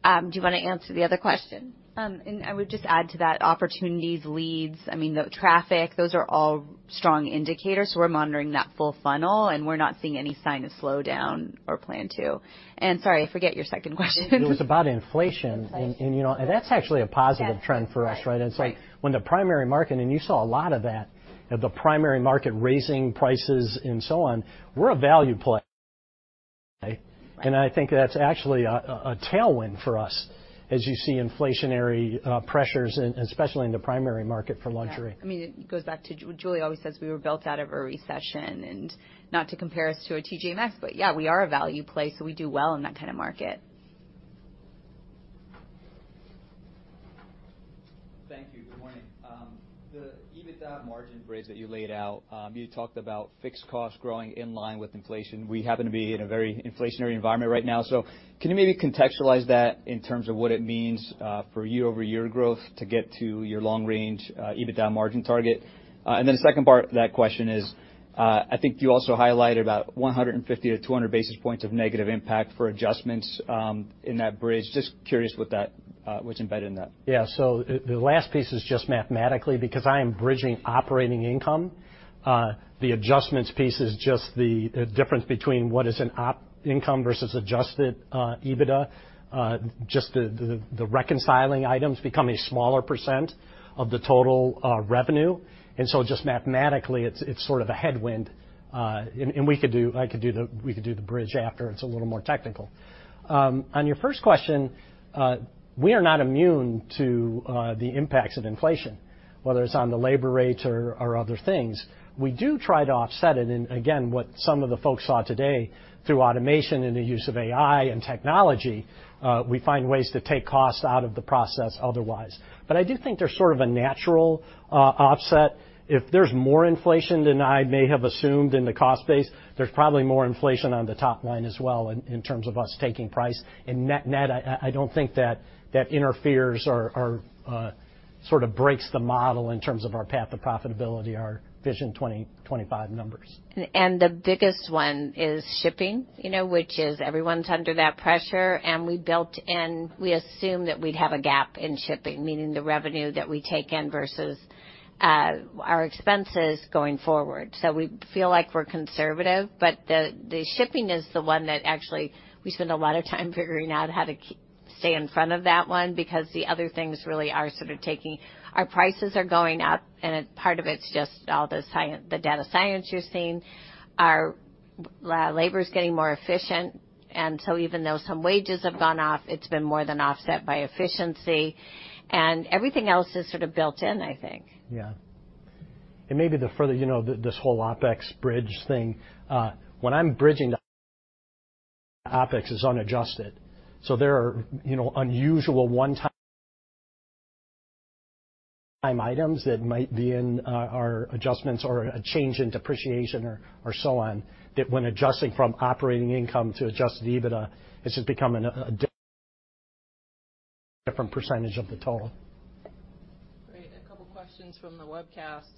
Do you want to answer the other question? I would just add to that, opportunities, leads, I mean, the traffic, those are all strong indicators. We're monitoring that full funnel, and we're not seeing any sign of slowdown or plan to. Sorry, I forget your second question. It was about inflation. Inflation. You know, that's actually a positive trend for us, right? Yes. Right. It's like when the primary market, and you saw a lot of that, the primary market raising prices and so on. We're a value play, right? Right. I think that's actually a tailwind for us as you see inflationary pressures, especially in the primary market for luxury. Yeah. I mean, it goes back to Julie always says we were built out of a recession. Not to compare us to a TJ Maxx, but yeah, we are a value play, so we do well in that kind of market. Thank you. Good morning. The EBITDA margin bridge that you laid out, you talked about fixed costs growing in line with inflation. We happen to be in a very inflationary environment right now. Can you maybe contextualize that in terms of what it means, for year-over-year growth to get to your long range, EBITDA margin target? And then the second part of that question is, I think you also highlighted about 150-200 basis points of negative impact for adjustments, in that bridge. Just curious what that, what's embedded in that. Yeah. The last piece is just mathematically because I am bridging operating income. The adjustments piece is just the difference between what is operating income versus adjusted EBITDA. Just the reconciling items become a smaller percent of the total revenue. Just mathematically, it's sort of a headwind. We could do the bridge after. It's a little more technical. On your first question, we are not immune to the impacts of inflation, whether it's on the labor rates or other things. We do try to offset it. Again, what some of the folks saw today through automation and the use of AI and technology, we find ways to take costs out of the process otherwise. I do think there's sort of a natural offset. If there's more inflation than I may have assumed in the cost base, there's probably more inflation on the top line as well in terms of us taking price. Net, I don't think that interferes or sort of breaks the model in terms of our path to profitability, our Vision 2025 numbers. The biggest one is shipping, you know, which is everyone's under that pressure. We built in, we assume that we'd have a gap in shipping, meaning the revenue that we take in versus our expenses going forward. We feel like we're conservative, but the shipping is the one that actually we spend a lot of time figuring out how to stay in front of that one because the other things really are sort of taking. Our prices are going up, and part of it's just all the science, the data science you're seeing. Our labor is getting more efficient. Even though some wages have gone up, it's been more than offset by efficiency. Everything else is sort of built in, I think. Maybe the further, you know, this whole OpEx bridge thing, when I'm bridging the OpEx is unadjusted. There are, you know, unusual one-time items that might be in our adjustments or a change in depreciation or so on, that when adjusting from operating income to adjusted EBITDA, it's just become a different percentage of the total. Great. A couple questions from the webcast.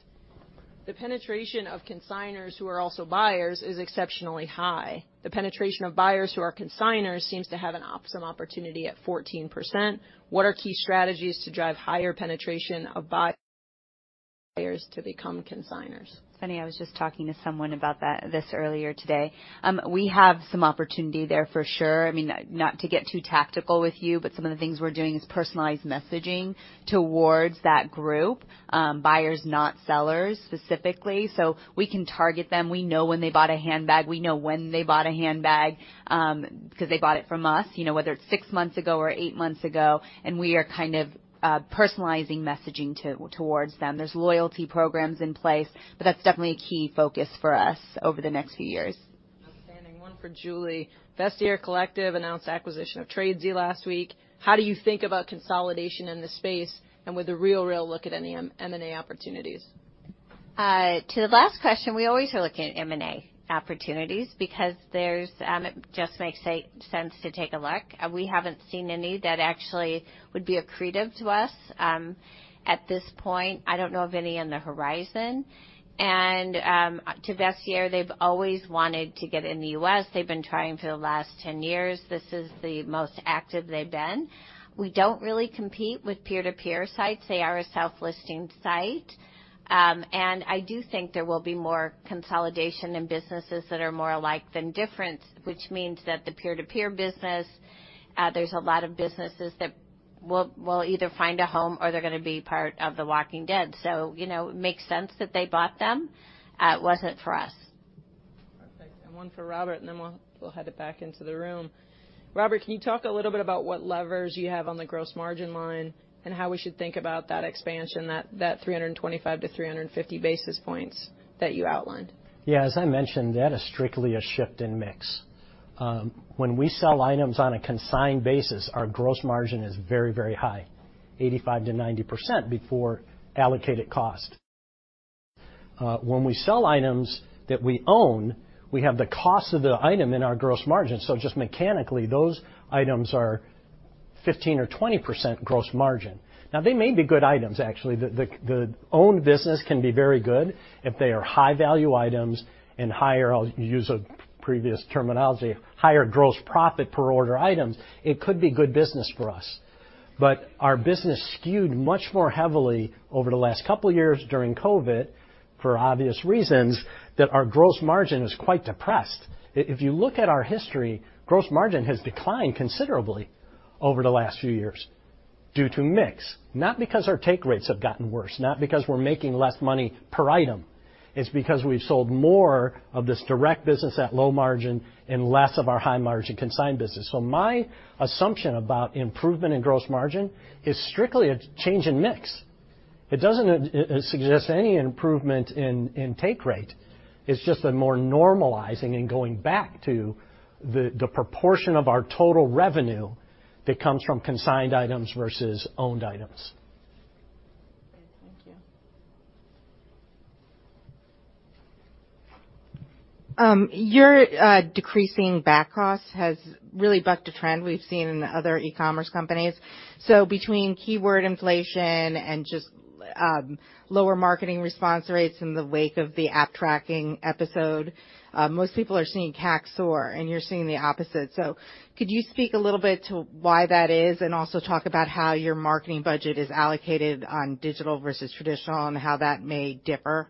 The penetration of consignors who are also buyers is exceptionally high. The penetration of buyers who are consignors seems to have some opportunity at 14%. What are key strategies to drive higher penetration of buyers to become consignors? It's funny, I was just talking to someone about this earlier today. We have some opportunity there for sure. I mean, not to get too tactical with you, but some of the things we're doing is personalized messaging towards that group, buyers, not sellers, specifically. So we can target them. We know when they bought a handbag, 'cause they bought it from us, you know, whether it's six months ago or eight months ago, and we are kind of personalizing messaging towards them. There's loyalty programs in place, but that's definitely a key focus for us over the next few years. Outstanding. One for Julie. Vestiaire Collective announced acquisition of Tradesy last week. How do you think about consolidation in the space and with The RealReal look at any M&A opportunities? To the last question, we always are looking at M&A opportunities because it just makes sense to take a look. We haven't seen any that actually would be accretive to us. At this point, I don't know of any on the horizon. To Vestiaire, they've always wanted to get in the U.S. They've been trying for the last 10 years. This is the most active they've been. We don't really compete with peer-to-peer sites. They are a self-listing site. I do think there will be more consolidation in businesses that are more alike than different, which means that the peer-to-peer business, there's a lot of businesses that will either find a home or they're gonna be part of The Walking Dead. You know, it makes sense that they bought them. It wasn't for us. Perfect. One for Robert, and then we'll hand it back to the room. Robert, can you talk a little bit about what levers you have on the gross margin line and how we should think about that expansion, that 325-350 basis points that you outlined? Yeah. As I mentioned, that is strictly a shift in mix. When we sell items on a consigned basis, our gross margin is very, very high, 85%-90% before allocated cost. When we sell items that we own, we have the cost of the item in our gross margin, so just mechanically, those items are 15% or 20% gross margin. Now, they may be good items, actually. The owned business can be very good if they are high-value items and higher, I'll use a previous terminology, higher gross profit per order items, it could be good business for us. Our business skewed much more heavily over the last couple years during COVID, for obvious reasons, that our gross margin is quite depressed. If you look at our history, gross margin has declined considerably over the last few years due to mix. Not because our take rates have gotten worse, not because we're making less money per item. It's because we've sold more of this direct business at low margin and less of our high-margin consigned business. My assumption about improvement in gross margin is strictly a change in mix. It doesn't suggest any improvement in take rate. It's just a more normalizing and going back to the proportion of our total revenue that comes from consigned items versus owned items. Great. Thank you. Your decreasing BAC costs has really bucked a trend we've seen in the other e-commerce companies. Between keyword inflation and lower marketing response rates in the wake of the app tracking episode, most people are seeing CAC soar, and you're seeing the opposite. Could you speak a little bit to why that is and also talk about how your marketing budget is allocated on digital versus traditional and how that may differ?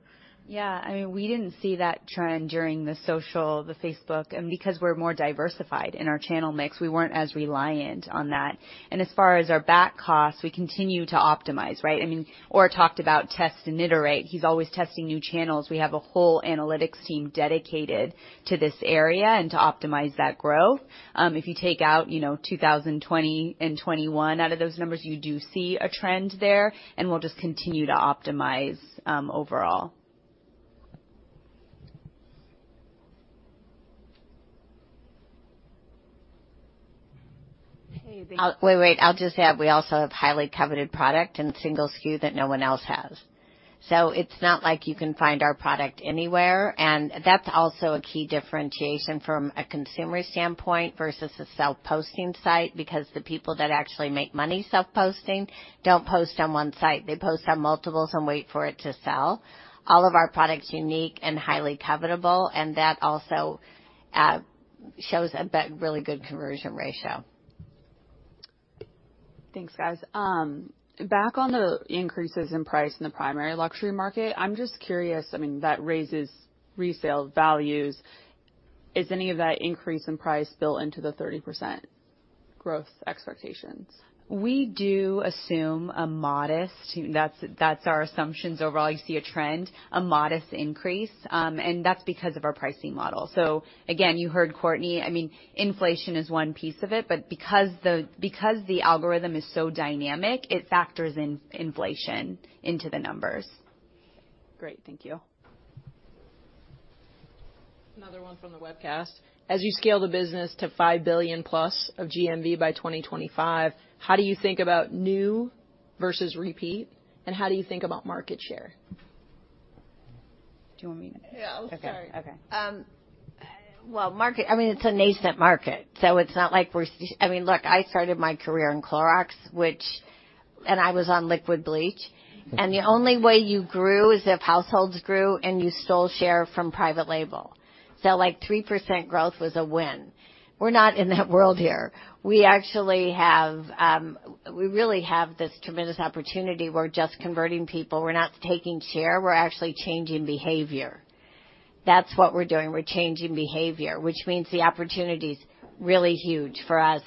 Yeah. I mean, we didn't see that trend during the social, the Facebook, and because we're more diversified in our channel mix, we weren't as reliant on that. As far as our BAC, we continue to optimize, right? I mean, Orr talked about test and iterate. He's always testing new channels. We have a whole analytics team dedicated to this area and to optimize that growth. If you take out, you know, 2020 and 2021 out of those numbers, you do see a trend there, and we'll just continue to optimize overall. Okay. Thank you. Wait, wait. I'll just add, we also have highly coveted product and single SKU that no one else has. So it's not like you can find our product anywhere, and that's also a key differentiation from a consumer standpoint versus a self-posting site, because the people that actually make money self-posting don't post on one site. They post on multiples and wait for it to sell. All of our products are unique and highly covetable, and that also shows a really good conversion ratio. Thanks, guys. Back on the increases in price in the primary luxury market, I'm just curious, I mean, that raises resale values. Is any of that increase in price built into the 30% growth expectations? That's our assumptions overall. You see a trend, a modest increase, and that's because of our pricing model. Again, you heard Courtney. I mean, inflation is one piece of it, but because the algorithm is so dynamic, it factors in inflation into the numbers. Great. Thank you. Another one from the webcast. As you scale the business to $5 billion+ of GMV by 2025, how do you think about new versus repeat, and how do you think about market share? Do you want me to- Yeah. I'm sorry. Okay. Okay. Um. I mean, it's a nascent market, so it's not like we're. I mean, look, I started my career in Clorox, which. I was on liquid bleach. The only way you grew is if households grew and you stole share from private label. Like, 3% growth was a win. We're not in that world here. We actually have. We really have this tremendous opportunity. We're just converting people. We're not taking share. We're actually changing behavior. That's what we're doing. We're changing behavior, which means the opportunity's really huge for us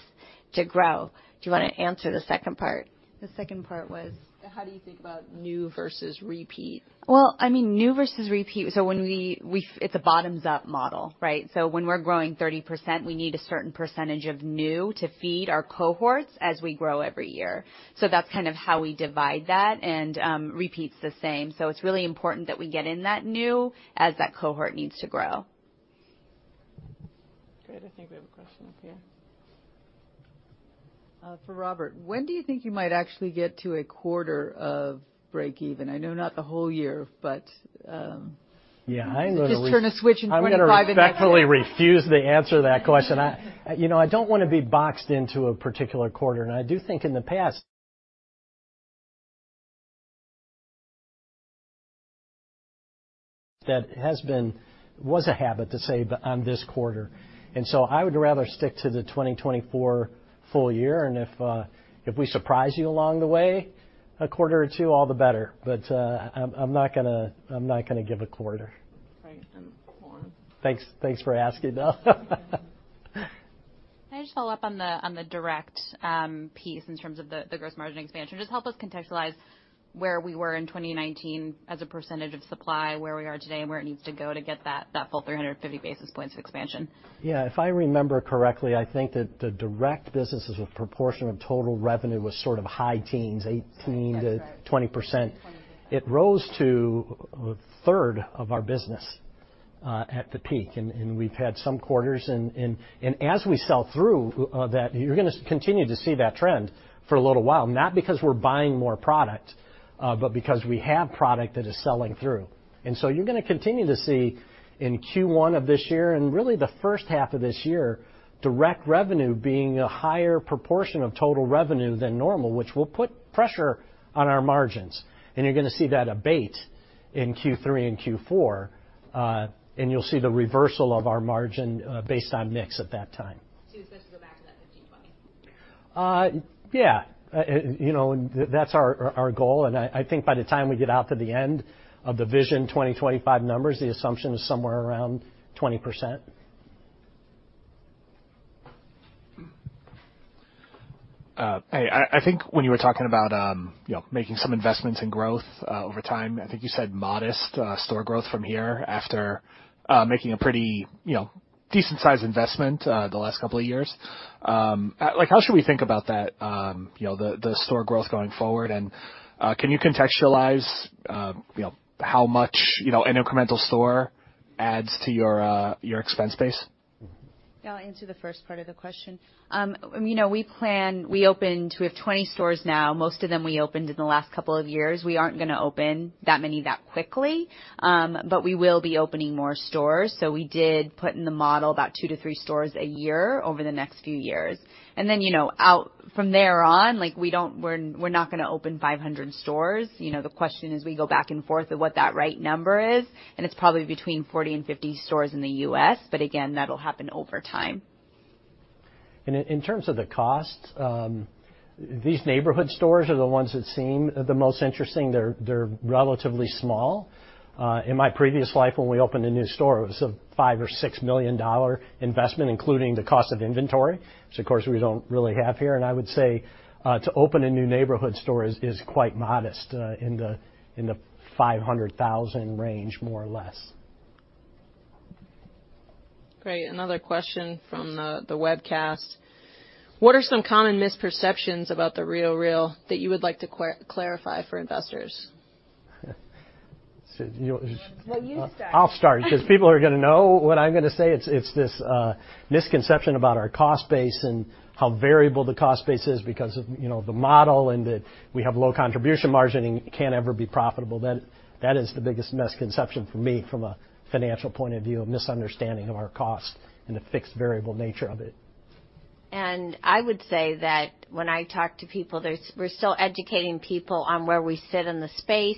to grow. Do you want to answer the second part? The second part was how do you think about new versus repeat? Well, I mean, new versus repeat. It's a bottoms-up model, right? When we're growing 30%, we need a certain percentage of new to feed our cohorts as we grow every year. That's kind of how we divide that, and repeat's the same. It's really important that we get in that new as that cohort needs to grow. Great. I think we have a question up here. For Robert. When do you think you might actually get to a quarter of breakeven? I know not the whole year, but Yeah, I'm gonna Just turn a switch in 2025 and that's it. I'm gonna respectfully refuse to answer that question. I, you know, I don't want to be boxed into a particular quarter, and I do think in the past that was a habit to say, but on this quarter. I would rather stick to the 2024 full year, and if we surprise you along the way, a quarter or two, all the better. I'm not gonna give a quarter. Right. Lauren. Thanks. Thanks for asking, though. Can I just follow up on the direct piece in terms of the gross margin expansion? Just help us contextualize where we were in 2019 as a percentage of supply, where we are today, and where it needs to go to get that full 350 basis points of expansion. Yeah. If I remember correctly, I think that the direct business as a proportion of total revenue was sort of high teens, 18%-20%. That's right. It rose to one-third of our business at the peak, and we've had some quarters. As we sell through that, you're gonna continue to see that trend for a little while, not because we're buying more product, but because we have product that is selling through. You're gonna continue to see in Q1 of this year and really the first half of this year, direct revenue being a higher proportion of total revenue than normal, which will put pressure on our margins. You're gonna see that abate in Q3 and Q4, and you'll see the reversal of our margin based on mix at that time. You're supposed to go BAC to that 15%-20%? You know, that's our goal, and I think by the time we get out to the end of the Vision 2025 numbers, the assumption is somewhere around 20%. I think when you were talking about, you know, making some investments in growth over time, I think you said modest store growth from here after making a pretty, you know, decent sized investment the last couple of years. Like, how should we think about that, you know, the store growth going forward, and can you contextualize, you know, how much, you know, an incremental store adds to your expense base? Yeah, I'll answer the first part of the question. You know, we have 20 stores now. Most of them we opened in the last couple of years. We aren't gonna open that many that quickly, but we will be opening more stores. We did put in the model about 2-3 stores a year over the next few years. You know, out from there on, like, we're not gonna open 500 stores. You know, the question as we go back and forth of what that right number is, and it's probably between 40 and 50 stores in the U.S., but again, that'll happen over time. In terms of the cost, these neighborhood stores are the ones that seem the most interesting. They're relatively small. In my previous life, when we opened a new store, it was a $5 million or $6 million investment, including the cost of inventory, which, of course, we don't really have here. I would say to open a new neighborhood store is quite modest in the $500,000 range, more or less. Great. Another question from the webcast. What are some common misperceptions about The RealReal that you would like to clarify for investors? So you- Well, you start. I'll start because people are gonna know what I'm gonna say. It's this misconception about our cost base and how variable the cost base is because of, you know, the model and we have low contribution margin and can't ever be profitable. That is the biggest misconception for me from a financial point of view, a misunderstanding of our cost and the fixed variable nature of it. I would say that when I talk to people, we're still educating people on where we sit in the space,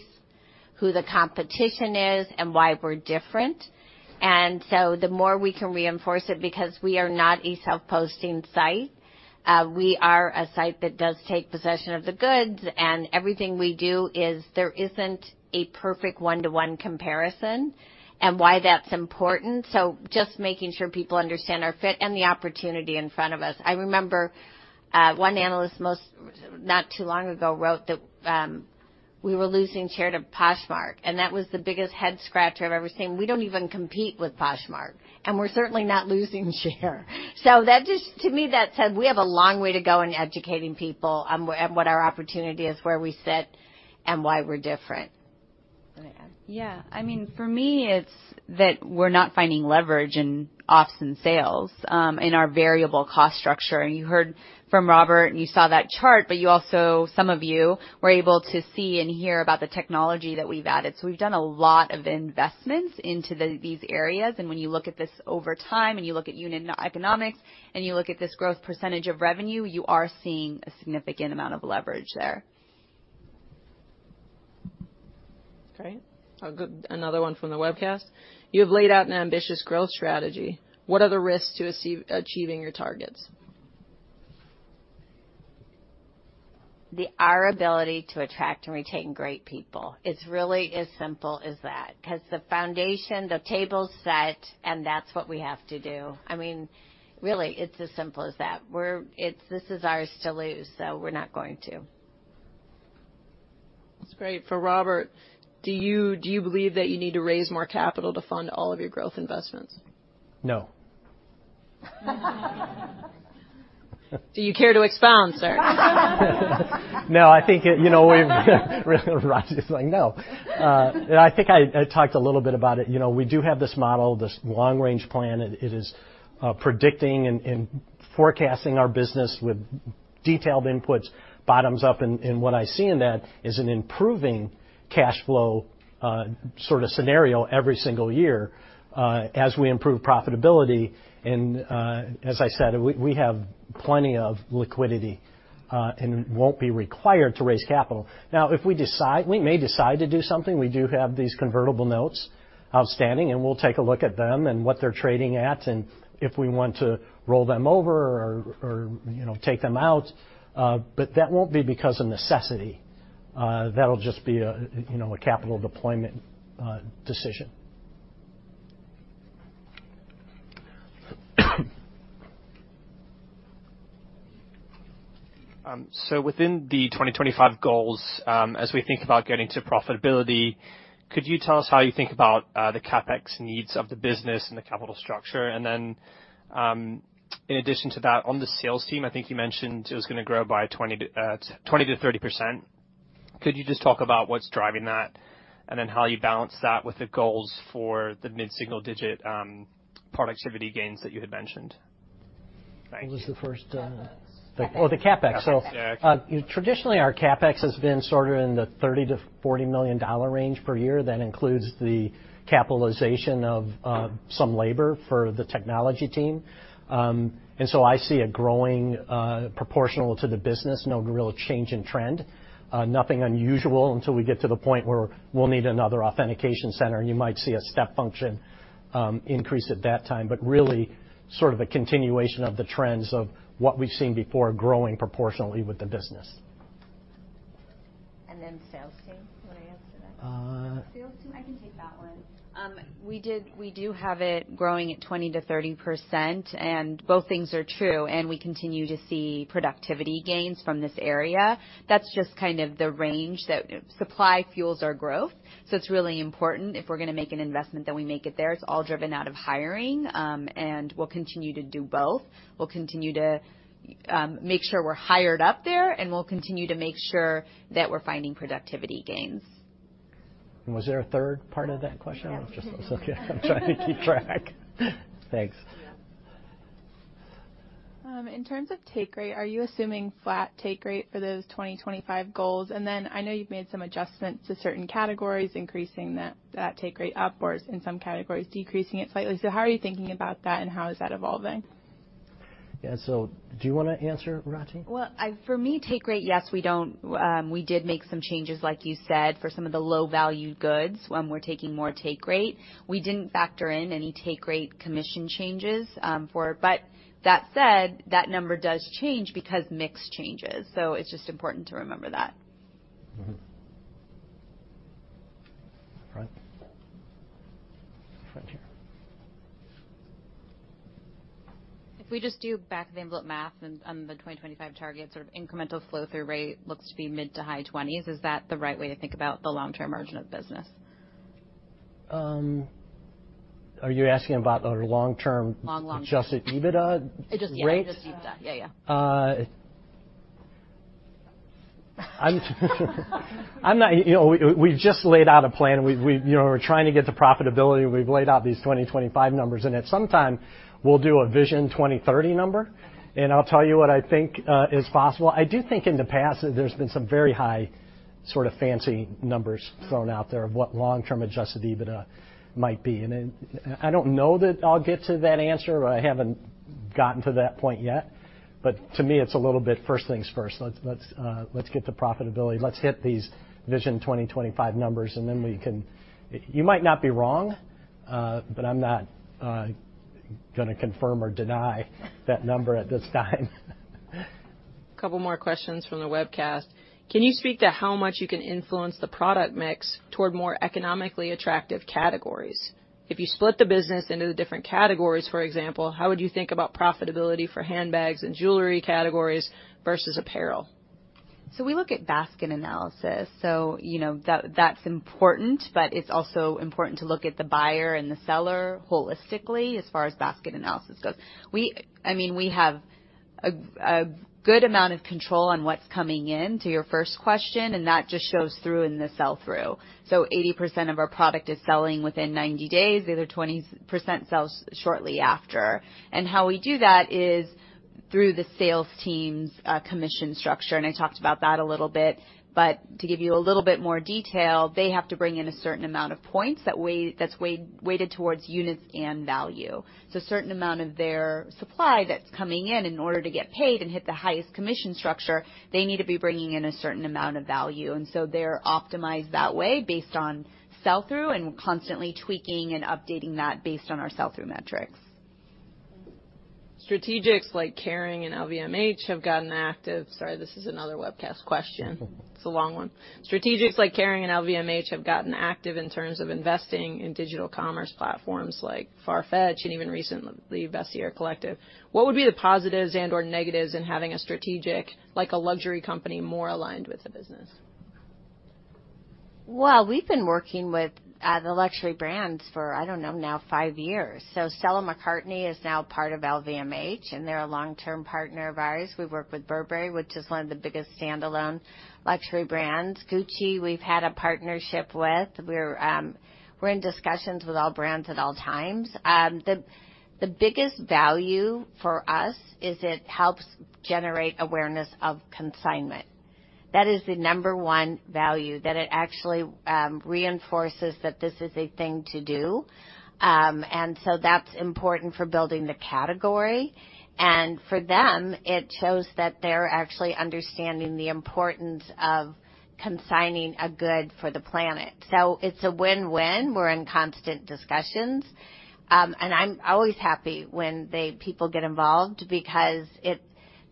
who the competition is, and why we're different. The more we can reinforce it, because we are not a self-posting site, we are a site that does take possession of the goods, and everything we do is, there isn't a perfect one-to-one comparison and why that's important. Just making sure people understand our fit and the opportunity in front of us. I remember one analyst not too long ago wrote that we were losing share to Poshmark, and that was the biggest head-scratcher I've ever seen. We don't even compete with Poshmark, and we're certainly not losing share. That just, to me, that said we have a long way to go in educating people on what our opportunity is, where we sit, and why we're different. Let me add. Yeah. I mean, for me, it's that we're not finding leverage in ops and sales in our variable cost structure. You heard from Robert, and you saw that chart, but you also, some of you, were able to see and hear about the technology that we've added. We've done a lot of investments into these areas, and when you look at this over time and you look at unit economics and you look at this growth percentage of revenue, you are seeing a significant amount of leverage there. Great. Another one from the webcast. You have laid out an ambitious growth strategy. What are the risks to achieving your targets? Our ability to attract and retain great people. It's really as simple as that 'cause the foundation, the table's set, and that's what we have to do. I mean, really, it's as simple as that. It's ours to lose, so we're not going to. That's great. For Robert, do you believe that you need to raise more capital to fund all of your growth investments? No. Do you care to expound, sir? No. I think, you know, really, Rati is like, "No." I think I talked a little bit about it. You know, we do have this model, this long range plan, and it is predicting and forecasting our business with detailed inputs, bottoms up, and what I see in that is an improving cash flow sort of scenario every single year as we improve profitability. As I said, we have plenty of liquidity and won't be required to raise capital. Now, if we decide, we may decide to do something. We do have these convertible notes outstanding, and we'll take a look at them and what they're trading at and if we want to roll them over or, you know, take them out, but that won't be because of necessity. That'll just be a, you know, a capital deployment decision. Within the 2025 goals, as we think about getting to profitability, could you tell us how you think about the CapEx needs of the business and the capital structure? In addition to that, on the sales team, I think you mentioned it was gonna grow by 20%-30%. Could you just talk about what's driving that, and then how you balance that with the goals for the mid-single-digit productivity gains that you had mentioned? Thank you. What was the first? CapEx. Oh, the CapEx. CapEx, yeah. Traditionally, our CapEx has been sort of in the $30million-$40 million range per year. That includes the capitalization of some labor for the technology team. I see it growing proportional to the business. No real change in trend. Nothing unusual until we get to the point where we'll need another authentication center, and you might see a step function increase at that time, but really sort of a continuation of the trends of what we've seen before growing proportionally with the business. Sales team. You want to answer that? Uh- Sales team, I can take that one. We do have it growing at 20%-30%, and both things are true, and we continue to see productivity gains from this area. That's just kind of the range. The supply fuels our growth, so it's really important if we're gonna make an investment, then we make it there. It's all driven out of hiring, and we'll continue to do both. We'll continue to make sure we're hired up there, and we'll continue to make sure that we're finding productivity gains. Was there a third part of that question? No. I'm trying to keep track. Thanks. Yeah. In terms of take rate, are you assuming flat take rate for those 2025 goals? I know you've made some adjustments to certain categories, increasing that take rate upwards in some categories, decreasing it slightly. How are you thinking about that, and how is that evolving? Yeah. Do you want to answer, Rati? Well, for me, take rate, yes, we don't. We did make some changes, like you said, for some of the low-value goods when we're taking more take rate. We didn't factor in any take rate commission changes for it. That said, that number does change because mix changes, so it's just important to remember that. Up front here. If we just do back-of-the-envelope math on the 2025 targets, sort of incremental flow-through rate looks to be mid- to high-20s. Is that the right way to think about the long-term margin of the business? Are you asking about our long-term? Long-term. Adjusted EBITDA rate? Yeah, just EBITDA. Yeah, yeah. You know, we've just laid out a plan. You know, we're trying to get to profitability. We've laid out these 2025 numbers, and at some time we'll do a Vision 2030 number, and I'll tell you what I think is possible. I do think in the past that there's been some very high sort of fancy numbers thrown out there of what long-term adjusted EBITDA might be. I don't know that I'll get to that answer. I haven't gotten to that point yet, but to me, it's a little bit first things first. Let's get to profitability. Let's hit these Vision 2025 numbers and then we can. You might not be wrong, but I'm not gonna confirm or deny that number at this time. A couple more questions from the webcast. Can you speak to how much you can influence the product mix toward more economically attractive categories? If you split the business into the different categories, for example, how would you think about profitability for handbags and jewelry categories versus apparel? We look at basket analysis. You know, that's important, but it's also important to look at the buyer and the seller holistically as far as basket analysis goes. I mean, we have a good amount of control on what's coming in to your first question, and that just shows through in the sell-through. 80% of our product is selling within 90 days. The other 20% sells shortly after. How we do that is through the sales team's commission structure, and I talked about that a little bit. To give you a little bit more detail, they have to bring in a certain amount of points that's weighted towards units and value. Certain amount of their supply that's coming in order to get paid and hit the highest commission structure, they need to be bringing in a certain amount of value. They're optimized that way based on sell-through and constantly tweaking and updating that based on our sell-through metrics. Strategics like Kering and LVMH have gotten active. Sorry, this is another webcast question. Mm-hmm. It's a long one. Strategics like Kering and LVMH have gotten active in terms of investing in digital commerce platforms like Farfetch and even recently, Vestiaire Collective. What would be the positives and/or negatives in having a strategic like a luxury company more aligned with the business? Well, we've been working with the luxury brands for, I don't know, now five years. Stella McCartney is now part of LVMH, and they're a long-term partner of ours. We've worked with Burberry, which is one of the biggest standalone luxury brands. Gucci, we've had a partnership with. We're in discussions with all brands at all times. The biggest value for us is it helps generate awareness of consignment. That is the number one value, that it actually reinforces that this is a thing to do. That's important for building the category. For them, it shows that they're actually understanding the importance of consigning a good for the planet. It's a win-win. We're in constant discussions. I'm always happy when they...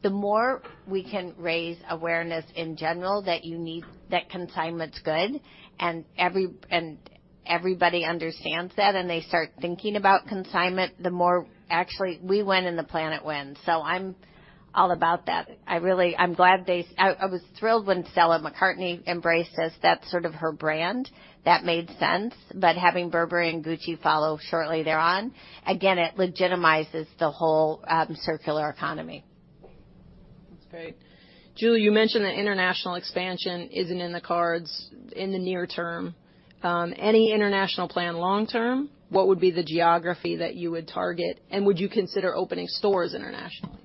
The more we can raise awareness in general that consignment's good and everybody understands that, and they start thinking about consignment, the more we win and the planet wins. I'm all about that. I was thrilled when Stella McCartney embraced this. That's sort of her brand. That made sense. Having Burberry and Gucci follow shortly thereon, it legitimizes the whole circular economy. That's great. Julie, you mentioned that international expansion isn't in the cards in the near term. Any international plan long term? What would be the geography that you would target? Would you consider opening stores internationally?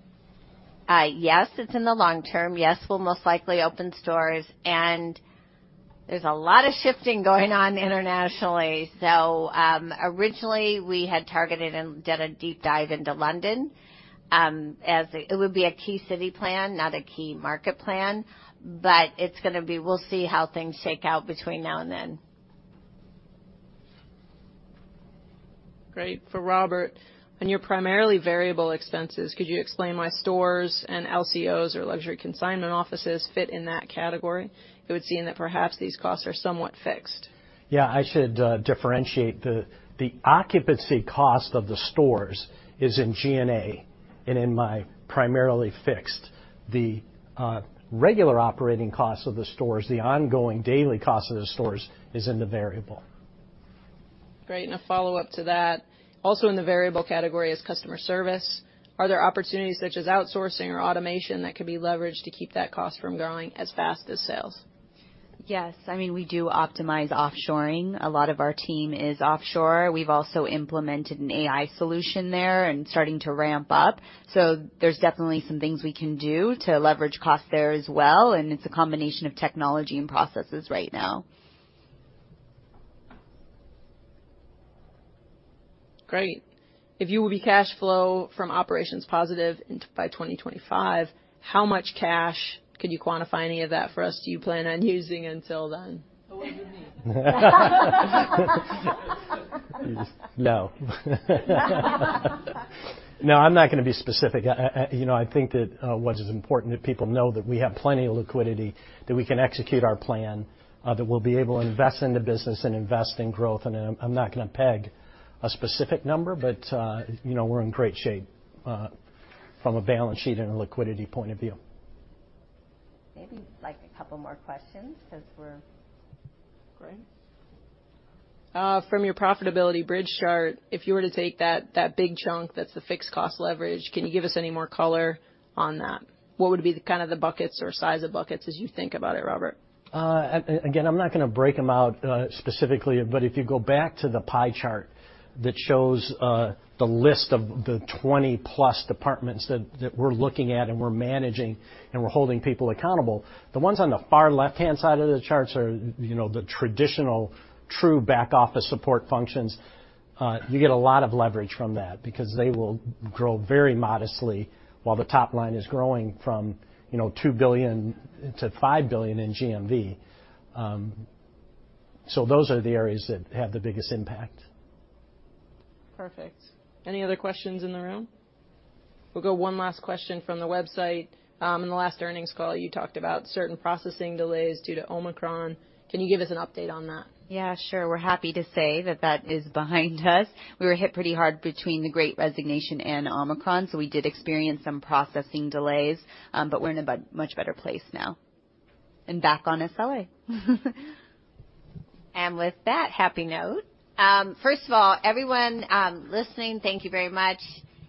Yes, it's in the long term. Yes, we'll most likely open stores, and there's a lot of shifting going on internationally. Originally, we had targeted and did a deep dive into London. It would be a key city plan, not a key market plan. It's gonna be. We'll see how things shake out between now and then. Great. For Robert, on your primarily variable expenses, could you explain why stores and LCOs or luxury consignment offices fit in that category? It would seem that perhaps these costs are somewhat fixed. Yeah. I should differentiate. The occupancy cost of the stores is in G&A and it's primarily fixed. The regular operating costs of the stores, the ongoing daily cost of the stores, is variable. Great. A follow-up to that, also in the variable category is customer service. Are there opportunities such as outsourcing or automation that could be leveraged to keep that cost from growing as fast as sales? Yes. I mean, we do optimize offshoring. A lot of our team is offshore. We've also implemented an AI solution there and starting to ramp up. There's definitely some things we can do to leverage cost there as well, and it's a combination of technology and processes right now. Great. If you will be cash flow from operations positive by 2025, how much cash could you quantify any of that for us? Do you plan on using until then? What does it mean? No. I'm not gonna be specific. You know, I think that what is important that people know that we have plenty of liquidity, that we can execute our plan, that we'll be able to invest in the business and invest in growth. I'm not gonna peg a specific number, but you know, we're in great shape from a balance sheet and a liquidity point of view. Maybe like a couple more questions because we're. Great. From your profitability bridge chart, if you were to take that big chunk that's the fixed cost leverage, can you give us any more color on that? What would be the kind of the buckets or size of buckets as you think about it, Robert? Again, I'm not gonna break them out specifically, but if you go back to the pie chart that shows the list of the 20-plus departments that we're looking at and we're managing and we're holding people accountable, the ones on the far left-hand side of the charts are, you know, the traditional true back office support functions. You get a lot of leverage from that because they will grow very modestly while the top line is growing from, you know, $2 billion-$5 billion in GMV. Those are the areas that have the biggest impact. Perfect. Any other questions in the room? We'll go one last question from the website. In the last earnings call, you talked about certain processing delays due to Omicron. Can you give us an update on that? Yeah, sure. We're happy to say that that is behind us. We were hit pretty hard between the Great Resignation and Omicron, so we did experience some processing delays. We're in a much better place now and back on our way. With that happy note, first of all, everyone listening, thank you very much.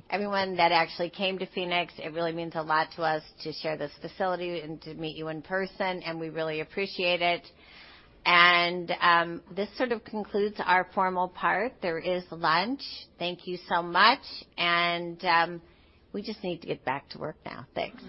Everyone that actually came to Phoenix, it really means a lot to us to share this facility and to meet you in person, and we really appreciate it. This sort of concludes our formal part. There is lunch. Thank you so much. We just need to get BAC to work now. Thanks.